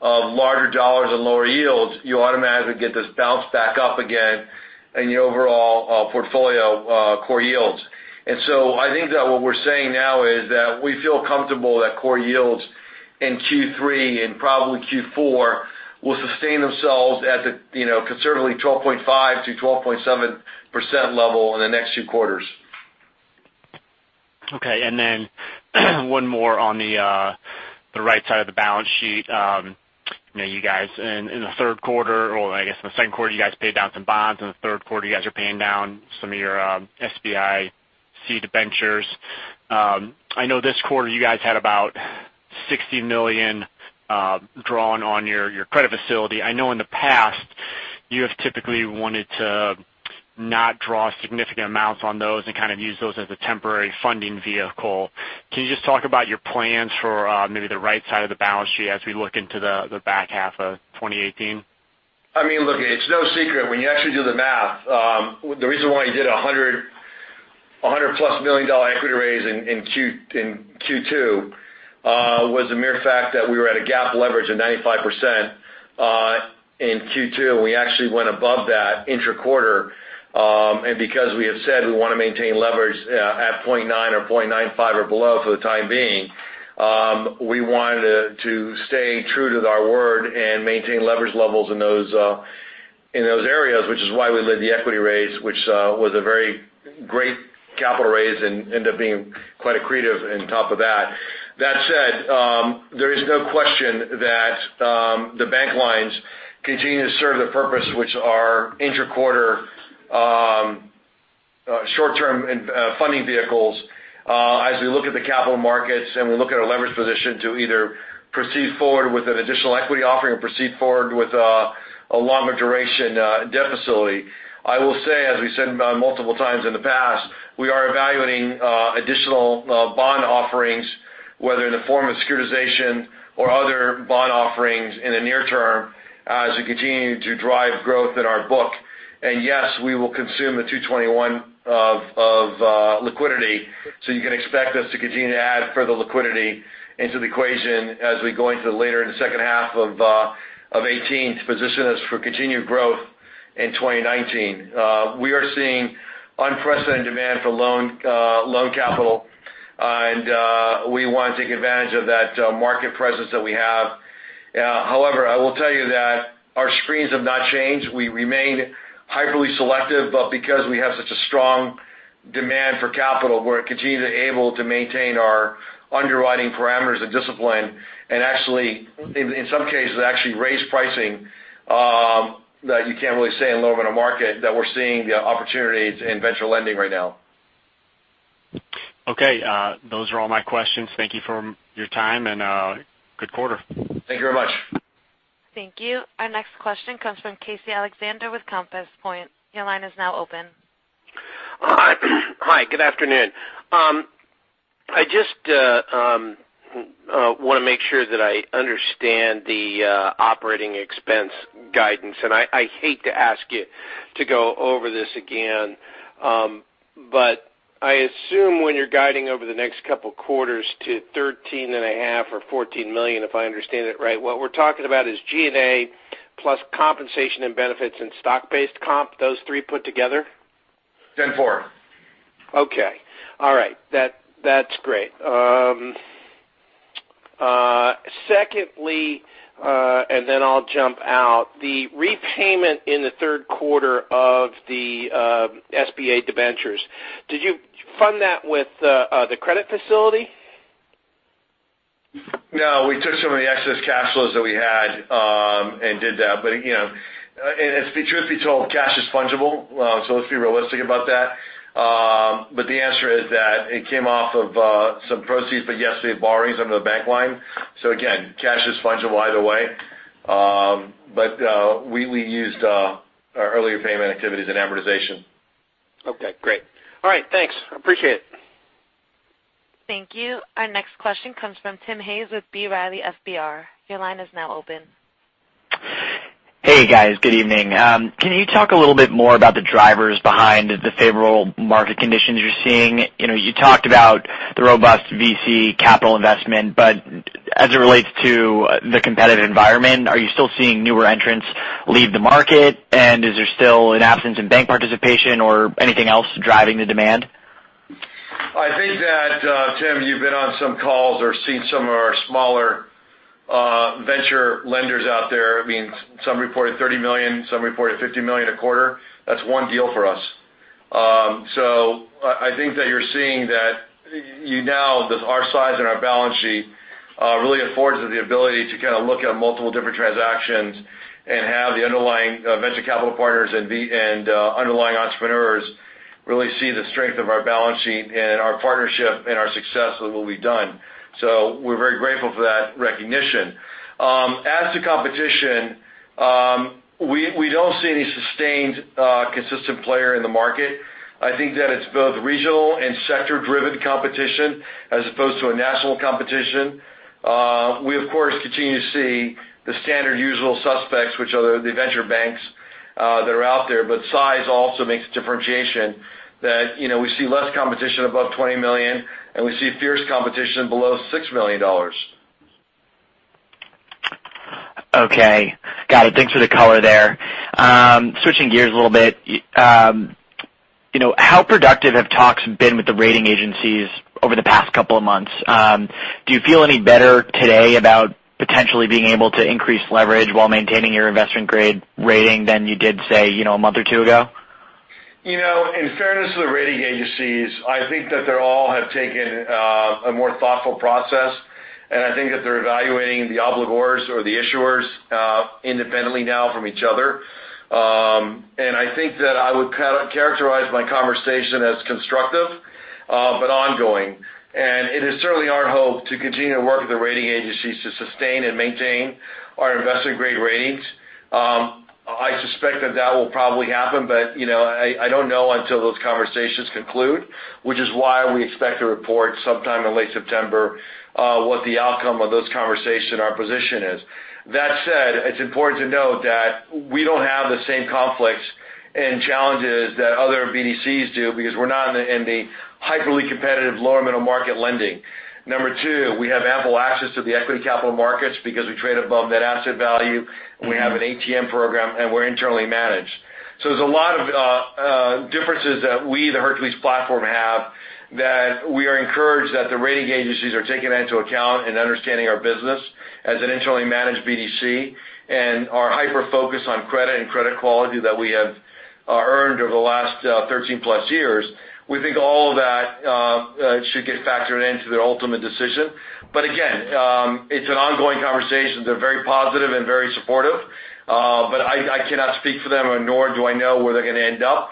of larger dollars and lower yields, you automatically get this bounce back up again in your overall portfolio core yields. I think that what we're saying now is that we feel comfortable that core yields in Q3 and probably Q4 will sustain themselves at the conservatively 12.5%-12.7% level in the next two quarters. Okay. One more on the right side of the balance sheet. I guess in the second quarter, you guys paid down some bonds. In the third quarter, you guys are paying down some of your SBIC debentures. I know this quarter you guys had about $60 million drawn on your credit facility. I know in the past, you have typically wanted to not draw significant amounts on those and kind of use those as a temporary funding vehicle. Can you just talk about your plans for maybe the right side of the balance sheet as we look into the back half of 2018? I mean, look, it's no secret when you actually do the math, the reason why you did $100-plus million equity raise in Q2 was the mere fact that we were at a GAAP leverage of 95% in Q2, and we actually went above that intra-quarter. Because we have said we want to maintain leverage at 0.9 or 0.95 or below for the time being, we wanted to stay true to our word and maintain leverage levels in those areas, which is why we led the equity raise, which was a very great capital raise and end up being quite accretive on top of that. That said, there is no question that the bank lines continue to serve the purpose which are intra-quarter short-term funding vehicles. As we look at the capital markets and we look at our leverage position to either proceed forward with an additional equity offering or proceed forward with a longer duration debt facility. I will say, as we said multiple times in the past, we are evaluating additional bond offerings, whether in the form of securitization or other bond offerings in the near term, as we continue to drive growth in our book. Yes, we will consume the $221 of liquidity. You can expect us to continue to add further liquidity into the equation as we go into later in the second half of 2018 to position us for continued growth in 2019. We are seeing unprecedented demand for loan capital. We want to take advantage of that market presence that we have. However, I will tell you that our screens have not changed. We remain hyperly selective, because we have such a strong demand for capital, we're continually able to maintain our underwriting parameters and discipline, and in some cases, actually raise pricing, that you can't really say in a lower middle market that we're seeing the opportunities in venture lending right now. Okay. Those are all my questions. Thank you for your time, good quarter. Thank you very much. Thank you. Our next question comes from Casey Alexander with Compass Point. Your line is now open. Hi. Good afternoon. I just want to make sure that I understand the operating expense guidance. I hate to ask you to go over this again, but I assume when you're guiding over the next couple quarters to $13.5 million or $14 million, if I understand it right, what we're talking about is G&A plus compensation and benefits and stock-based comp, those three put together? Ten-four. Okay. All right. That's great. Secondly, then I'll jump out. The repayment in the third quarter of the SBA debentures, did you fund that with the credit facility? No, we took some of the excess cash flows that we had and did that. Truth be told, cash is fungible, let's be realistic about that. The answer is that it came off of some proceeds from yesterday borrowings under the bank line. Again, cash is fungible either way. We used our earlier payment activities and amortization. Okay, great. All right, thanks. Appreciate it. Thank you. Our next question comes from Tim Hayes with B. Riley FBR. Your line is now open. Hey, guys. Good evening. Can you talk a little bit more about the drivers behind the favorable market conditions you're seeing? You talked about the robust VC capital investment. As it relates to the competitive environment, are you still seeing newer entrants leave the market? Is there still an absence in bank participation or anything else driving the demand? I think that, Tim, you've been on some calls or seen some of our smaller venture lenders out there. Some reported $30 million, some reported $50 million a quarter. That's one deal for us. I think that you're seeing that our size and our balance sheet really affords us the ability to look at multiple different transactions and have the underlying venture capital partners and underlying entrepreneurs really see the strength of our balance sheet and our partnership and our success with what we've done. We're very grateful for that recognition. As to competition, we don't see any sustained, consistent player in the market. I think that it's both regional and sector-driven competition as opposed to a national competition. We, of course, continue to see the standard usual suspects, which are the venture banks that are out there. Size also makes a differentiation that we see less competition above $20 million. We see fierce competition below $6 million. Okay. Got it. Thanks for the color there. Switching gears a little bit. How productive have talks been with the rating agencies over the past couple of months? Do you feel any better today about potentially being able to increase leverage while maintaining your investment-grade rating than you did, say, a month or two ago? In fairness to the rating agencies, I think that they all have taken a more thoughtful process. I think that they're evaluating the obligors or the issuers independently now from each other. I think that I would characterize my conversation as constructive but ongoing. It is certainly our hope to continue to work with the rating agencies to sustain and maintain our investment-grade ratings. I suspect that that will probably happen, but I don't know until those conversations conclude, which is why we expect to report sometime in late September, what the outcome of those conversations and our position is. That said, it's important to note that we don't have the same conflicts and challenges that other BDCs do because we're not in the highly competitive lower middle market lending. Number 2, we have ample access to the equity capital markets because we trade above net asset value, we have an ATM program, and we're internally managed. There's a lot of differences that we, the Hercules platform, have that we are encouraged that the rating agencies are taking into account and understanding our business as an internally managed BDC, and our hyper-focus on credit and credit quality that we have earned over the last 13-plus years. We think all of that should get factored into their ultimate decision. Again, it's an ongoing conversation. They're very positive and very supportive. I cannot speak for them, nor do I know where they're going to end up.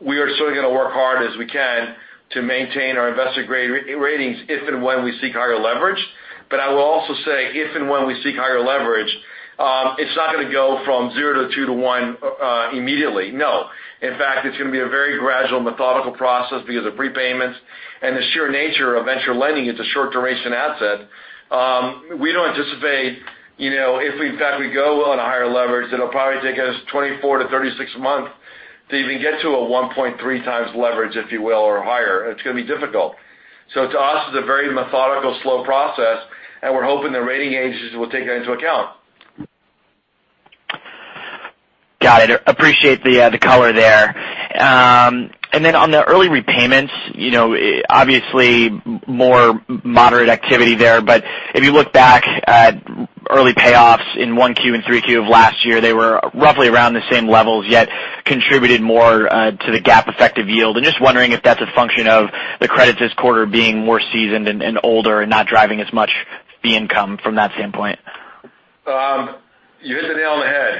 We are certainly going to work hard as we can to maintain our investment-grade ratings if and when we seek higher leverage. I will also say if and when we seek higher leverage, it's not going to go from zero to two to one immediately. No. In fact, it's going to be a very gradual, methodical process because of prepayments and the sheer nature of venture lending. It's a short-duration asset. We don't anticipate if, in fact, we go on a higher leverage, it'll probably take us 24-36 months to even get to a 1.3x leverage, if you will, or higher. It's going to be difficult. To us, it's a very methodical, slow process, and we're hoping the rating agencies will take that into account. Got it. Appreciate the color there. Then on the early repayments, obviously more moderate activity there, but if you look back at early payoffs in 1Q and 3Q of last year, they were roughly around the same levels, yet contributed more to the GAAP effective yield. Just wondering if that's a function of the credits this quarter being more seasoned and older and not driving as much fee income from that standpoint. You hit the nail on the head.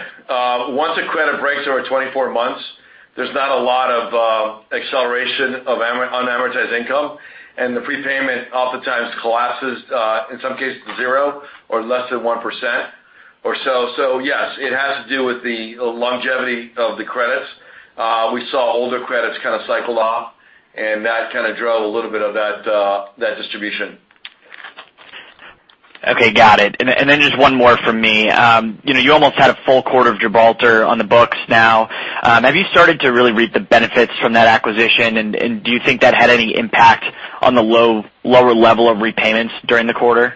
Once a credit breaks over 24 months, there's not a lot of acceleration of unamortized income, and the prepayment oftentimes collapses, in some cases to zero or less than 1% or so. Yes, it has to do with the longevity of the credits. We saw older credits kind of cycle off, and that kind of drove a little bit of that distribution. Okay, got it. Then just one more from me. You almost had a full quarter of Gibraltar on the books now. Have you started to really reap the benefits from that acquisition, and do you think that had any impact on the lower level of repayments during the quarter?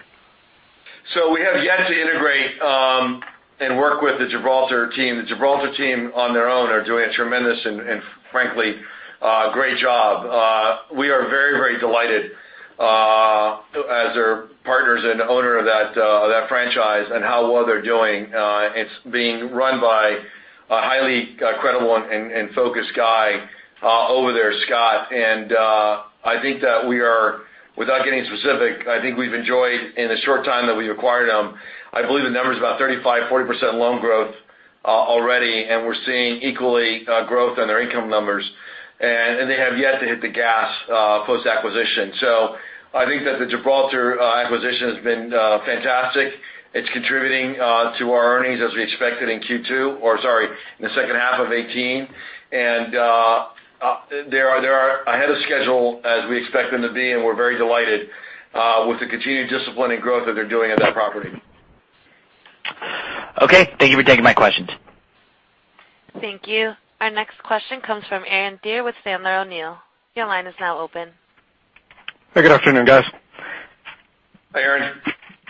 We have yet to integrate, and work with the Gibraltar team. The Gibraltar team on their own are doing a tremendous and frankly, great job. We are very delighted, as their partners and owner of that franchise and how well they're doing. It's being run by a highly credible and focused guy over there, Scott. I think that, without getting specific, I think we've enjoyed in the short time that we acquired them, I believe the number's about 35%-40% loan growth already, and we're seeing equally growth on their income numbers. They have yet to hit the gas, post-acquisition. I think that the Gibraltar acquisition has been fantastic. It's contributing to our earnings as we expected in Q2, or, sorry, in the second half of 2018. They are ahead of schedule as we expect them to be, and we're very delighted with the continued discipline and growth that they're doing at that property. Okay, thank you for taking my questions. Thank you. Our next question comes from Aaron Deer with Sandler O'Neill. Your line is now open. Hey, good afternoon, guys. Hi, Aaron.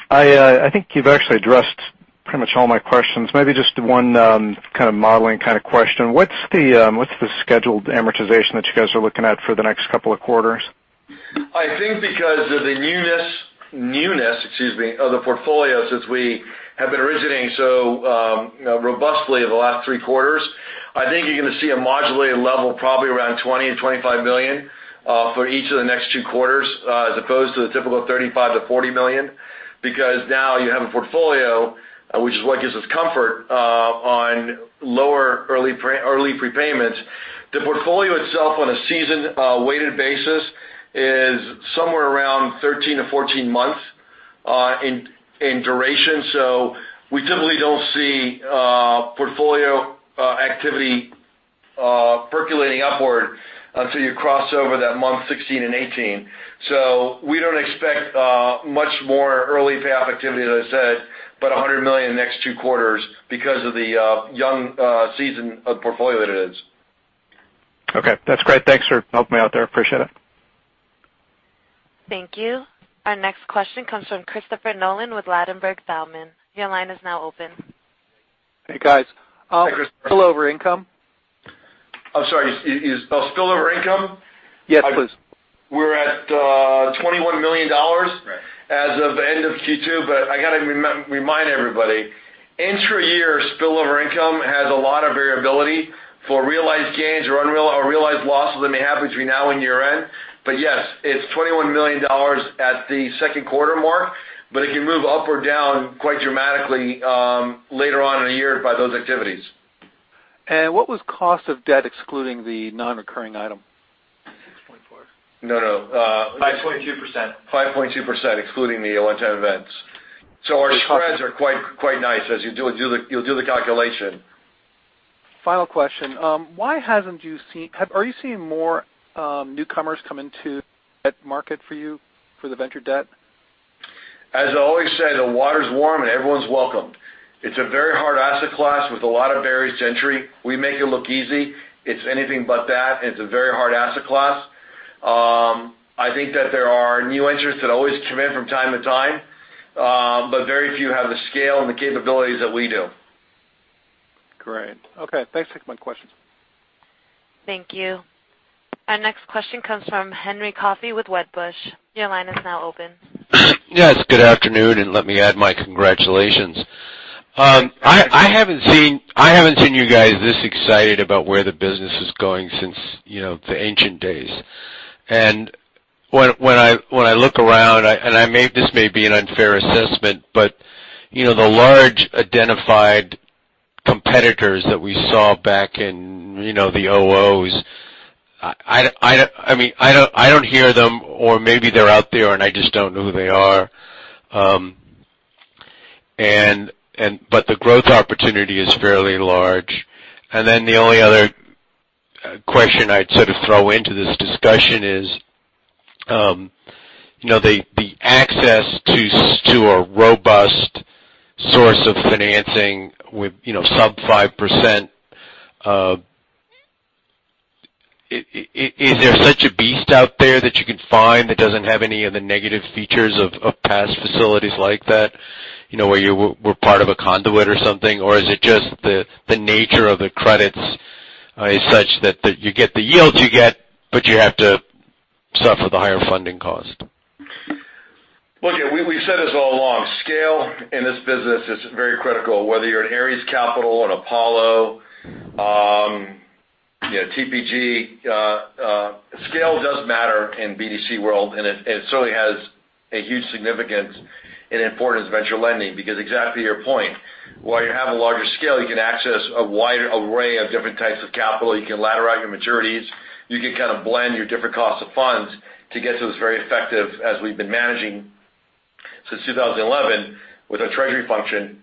I think you've actually addressed pretty much all my questions. Maybe just one kind of modeling kind of question. What's the scheduled amortization that you guys are looking at for the next couple of quarters? I think because of the newness of the portfolios as we have been originating so robustly over the last three quarters, I think you're going to see a modulated level, probably around $20 million-$25 million, for each of the next two quarters, as opposed to the typical $35 million-$40 million, because now you have a portfolio, which is what gives us comfort, on lower early prepayments. The portfolio itself on a seasoned, weighted basis is somewhere around 13-14 months, in duration. We typically don't see portfolio activity percolating upward until you cross over that month 16 and 18. We don't expect much more early payoff activity, as I said, but $100 million in the next two quarters because of the young season of the portfolio that it is. Okay. That's great. Thanks for helping me out there. Appreciate it. Thank you. Our next question comes from Christopher Nolan with Ladenburg Thalmann. Your line is now open. Hey, guys. Hi, Christopher. Spillover income. I'm sorry. Spillover income? Yes, please. We're at $21 million as of the end of Q2, but I got to remind everybody, intra-year spillover income has a lot of variability for realized gains or realized losses that may happen between now and year-end. Yes, it's $21 million at the second quarter mark, but it can move up or down quite dramatically, later on in the year by those activities. What was cost of debt excluding the non-recurring item? 6.4. No. 5.2%. 5.2%, excluding the one-time events. Our spreads are quite nice as you'll do the calculation. Final question. Are you seeing more newcomers come into that market for you, for the venture debt? As I always say, the water's warm and everyone's welcome. It's a very hard asset class with a lot of barriers to entry. We make it look easy. It's anything but that, and it's a very hard asset class. I think that there are new entrants that always come in from time to time, but very few have the scale and the capabilities that we do. Great. Okay. Thanks. That's my questions. Thank you. Our next question comes from Henry Coffey with Wedbush. Your line is now open. Yes, good afternoon, and let me add my congratulations. I haven't seen you guys this excited about where the business is going since the ancient days. When I look around, and this may be an unfair assessment, but the large identified competitors that we saw back in the '08s, I don't hear them, or maybe they're out there and I just don't know who they are. The growth opportunity is fairly large. The only other question I'd sort of throw into this discussion is, the access to a robust source of financing with sub 5% of. Is there such a beast out there that you can find that doesn't have any of the negative features of past facilities like that, where you were part of a conduit or something? Or is it just the nature of the credits is such that you get the yields you get, but you have to suffer the higher funding cost? Look, we said this all along. Scale in this business is very critical, whether you're an Ares Capital, an Apollo, TPG. Scale does matter in BDC world, and it certainly has a huge significance and importance in venture lending, because exactly your point. While you have a larger scale, you can access a wide array of different types of capital. You can ladder out your maturities. You can kind of blend your different cost of funds to get to this very effective, as we've been managing since 2011 with our treasury function.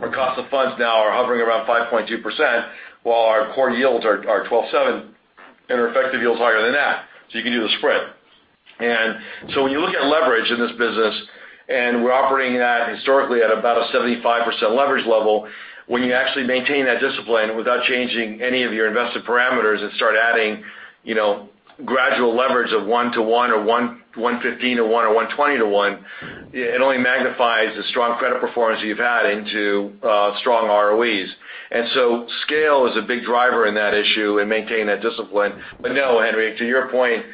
Our cost of funds now are hovering around 5.2%, while our core yields are 12.7%, and our effective yields higher than that. You can do the spread. When you look at leverage in this business, and we're operating at, historically, at about a 75% leverage level. When you actually maintain that discipline without changing any of your investment parameters and start adding gradual leverage of 1 to 1 or 1.15 to 1 or 1.20 to 1, it only magnifies the strong credit performance you've had into strong ROEs. Scale is a big driver in that issue and maintaining that discipline. No, Henry, to your point,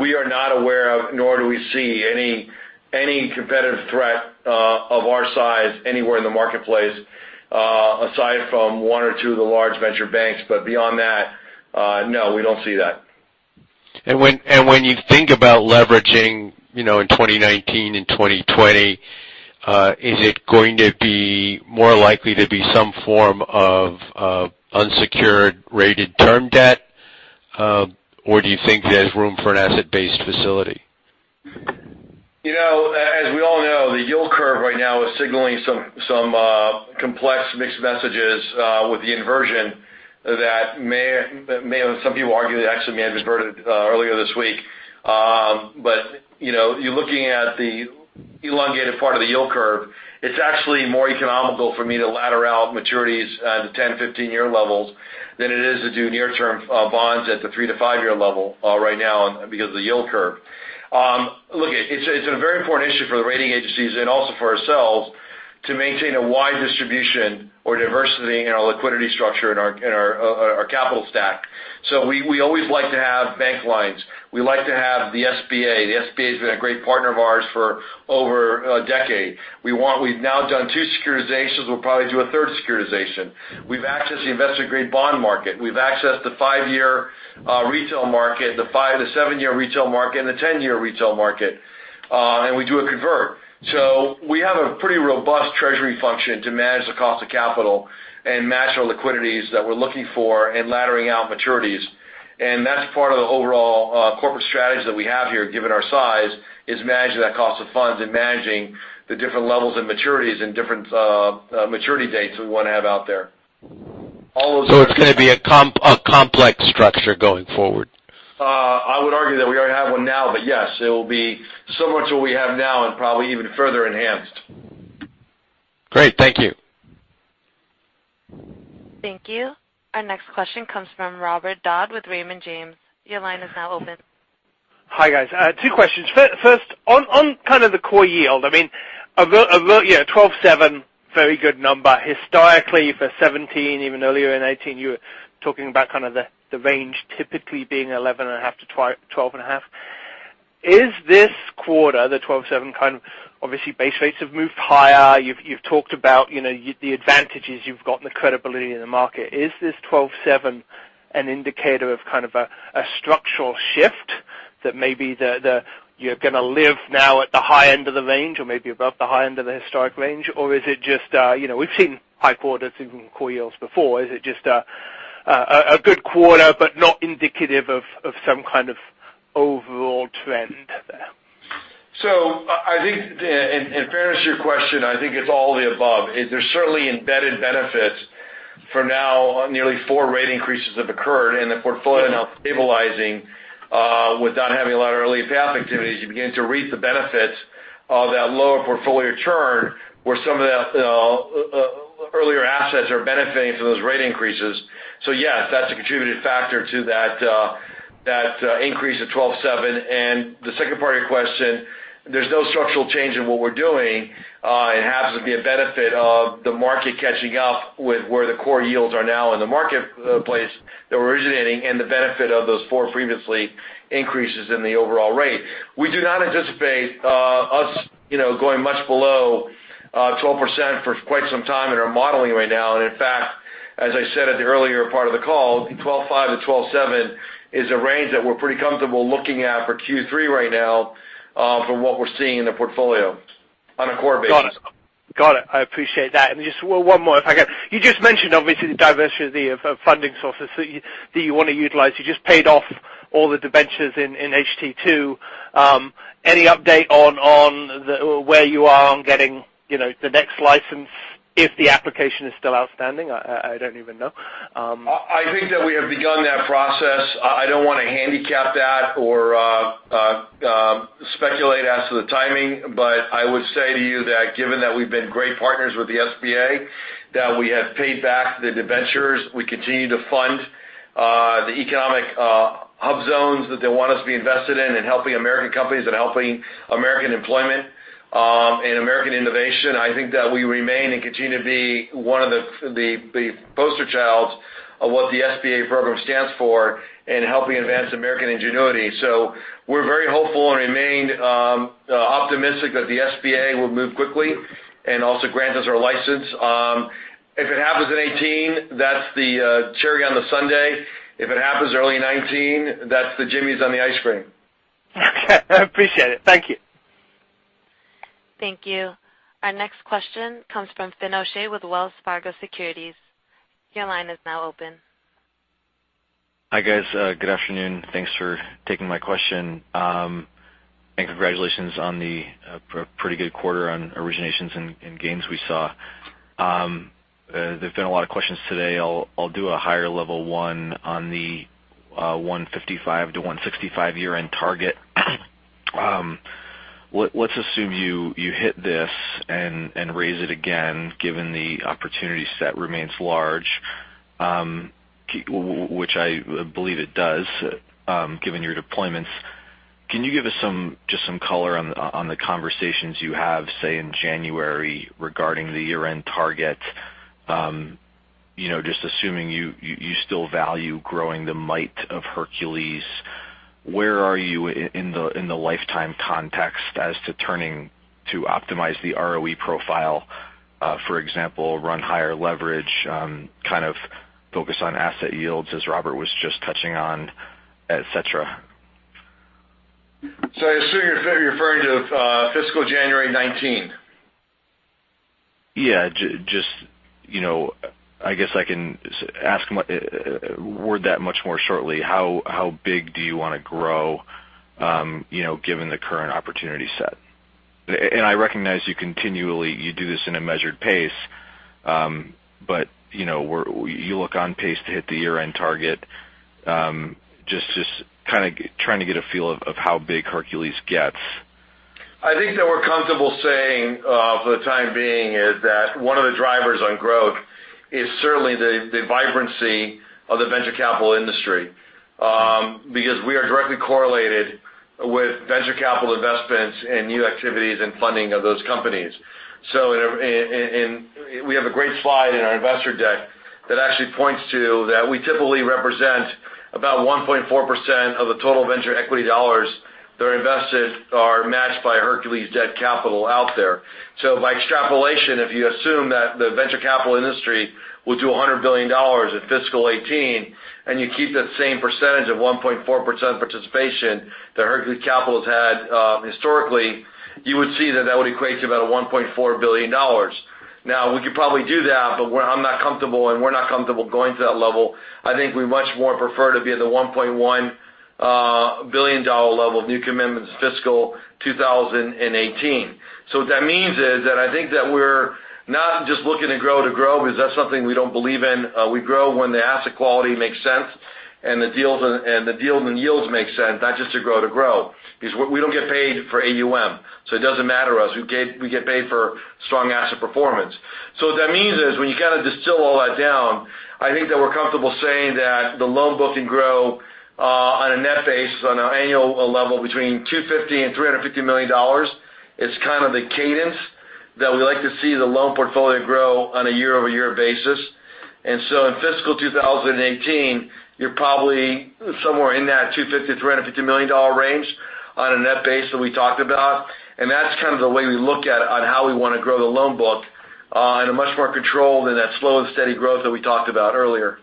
we are not aware of, nor do we see any competitive threat of our size anywhere in the marketplace, aside from one or two of the large venture banks. Beyond that, no, we don't see that. When you think about leveraging, in 2019 and 2020, is it going to be more likely to be some form of unsecured rated term debt? Or do you think there's room for an asset-based facility? As we all know, the yield curve right now is signaling some complex mixed messages with the inversion that some people argue that actually may have reverted earlier this week. You're looking at the elongated part of the yield curve. It's actually more economical for me to ladder out maturities at the 10, 15-year levels than it is to do near-term bonds at the 3- to 5-year level right now because of the yield curve. Look, it's a very important issue for the rating agencies and also for ourselves to maintain a wide distribution or diversity in our liquidity structure in our capital stack. We always like to have bank lines. We like to have the SBA. The SBA has been a great partner of ours for over a decade. We've now done two securitizations. We'll probably do a third securitization. We've accessed the investment-grade bond market. We've accessed the five-year retail market, the seven-year retail market, and the 10-year retail market. We do a convert. We have a pretty robust treasury function to manage the cost of capital and match our liquidities that we're looking for in laddering out maturities. That's part of the overall corporate strategy that we have here, given our size, is managing that cost of funds and managing the different levels of maturities and different maturity dates we want to have out there. It's going to be a complex structure going forward. I would argue that we already have one now, but yes, it will be similar to what we have now and probably even further enhanced. Great. Thank you. Thank you. Our next question comes from Robert Dodd with Raymond James. Your line is now open. Hi, guys. Two questions. First, on kind of the core yield, I mean, 12.7%, very good number. Historically for 2017, even earlier in 2018, you were talking about kind of the range typically being 11.5%-12.5%. Is this quarter, the 12.7% kind of Obviously, base rates have moved higher. You've talked about the advantages you've got and the credibility in the market. Is this 12.7% an indicator of kind of a structural shift that maybe you're going to live now at the high end of the range or maybe above the high end of the historic range? Is it just, we've seen high quarters even in core yields before. Is it just a good quarter but not indicative of some kind of overall trend there? I think, in fairness to your question, I think it's all the above. There's certainly embedded benefits for now. Nearly four rate increases have occurred, and the portfolio now stabilizing without having a lot of early payoff activities. You begin to reap the benefits of that lower portfolio churn where some of the earlier assets are benefiting from those rate increases. Yes, that's a contributing factor to that increase of 12.7%. The second part of your question, there's no structural change in what we're doing. It happens to be a benefit of the market catching up with where the core yields are now in the marketplace that we're originating and the benefit of those four previous increases in the overall rate. We do not anticipate us going much below 12% for quite some time in our modeling right now. In fact, as I said at the earlier part of the call, 12.5 to 12.7 is a range that we're pretty comfortable looking at for Q3 right now from what we're seeing in the portfolio on a core basis. Got it. I appreciate that. Just one more if I can. You just mentioned, obviously, the diversity of funding sources that you want to utilize. You just paid off all the debentures in HT Two. Any update on where you are on getting the next license if the application is still outstanding? I don't even know. I think that we have begun that process. I don't want to handicap that or So the timing, but I would say to you that given that we've been great partners with the SBA, that we have paid back the debentures, we continue to fund the economic hub zones that they want us to be invested in helping American companies and helping American employment, and American innovation. I think that we remain and continue to be one of the poster child of what the SBA program stands for in helping advance American ingenuity. We're very hopeful and remain optimistic that the SBA will move quickly and also grant us our license. If it happens in 2018, that's the cherry on the sundae. If it happens early 2019, that's the Jimmies on the ice cream. Okay. Appreciate it. Thank you. Thank you. Our next question comes from Finian O'Shea with Wells Fargo Securities. Your line is now open. Hi, guys. Good afternoon. Thanks for taking my question. Congratulations on the pretty good quarter on originations and gains we saw. There's been a lot of questions today. I'll do a higher level one on the $155-$165 year-end target. Let's assume you hit this and raise it again, given the opportunity set remains large, which I believe it does given your deployments. Can you give us just some color on the conversations you have, say, in January regarding the year-end target? Just assuming you still value growing the might of Hercules, where are you in the lifetime context as to turning to optimize the ROE profile? For example, run higher leverage, kind of focus on asset yields as Robert was just touching on, et cetera. I assume you're referring to fiscal January 2019. Yeah. I guess I can word that much more shortly. How big do you want to grow given the current opportunity set? I recognize you continually do this in a measured pace, but you look on pace to hit the year-end target. Just kind of trying to get a feel of how big Hercules gets. I think that we're comfortable saying, for the time being, is that one of the drivers on growth is certainly the vibrancy of the venture capital industry. Because we are directly correlated with venture capital investments in new activities and funding of those companies. We have a great slide in our investor deck that actually points to that. We typically represent about 1.4% of the total venture equity dollars that are invested are matched by Hercules Capital debt capital out there. By extrapolation, if you assume that the venture capital industry will do $100 billion in fiscal 2018, and you keep that same percentage of 1.4% participation that Hercules Capital has had historically, you would see that that would equate to about $1.4 billion. We could probably do that, but I'm not comfortable and we're not comfortable going to that level. I think we much more prefer to be at the $1.1 billion level, new commitments fiscal 2018. What that means is that I think that we're not just looking to grow to grow, because that's something we don't believe in. We grow when the asset quality makes sense and the deals and yields make sense, not just to grow to grow. Because we don't get paid for AUM, so it doesn't matter to us. We get paid for strong asset performance. What that means is, when you kind of distill all that down, I think that we're comfortable saying that the loan book can grow on a net basis on an annual level between $250 million and $350 million. It's kind of the cadence that we like to see the loan portfolio grow on a year-over-year basis. In fiscal 2018, you're probably somewhere in that $250 million to $350 million range on a net base that we talked about. That's kind of the way we look at on how we want to grow the loan book in a much more controlled and that slow and steady growth that we talked about earlier.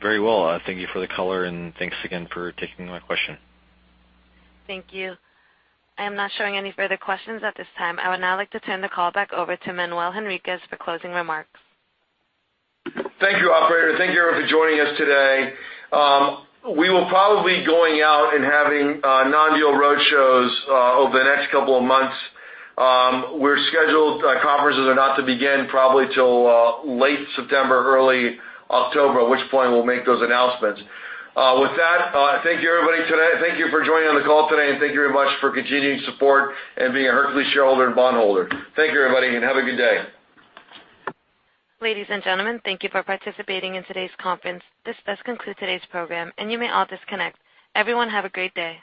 Very well. Thank you for the color, and thanks again for taking my question. Thank you. I am not showing any further questions at this time. I would now like to turn the call back over to Manuel Henriquez for closing remarks. Thank you, operator. Thank you everyone for joining us today. We will probably be going out and having non-deal roadshows over the next couple of months. We're scheduled. Conferences are not to begin probably till late September, early October, at which point we'll make those announcements. With that, thank you everybody today. Thank you for joining on the call today, and thank you very much for continuing support and being a Hercules shareholder and bondholder. Thank you everybody, and have a good day. Ladies and gentlemen, thank you for participating in today's conference. This does conclude today's program. You may all disconnect. Everyone have a great day.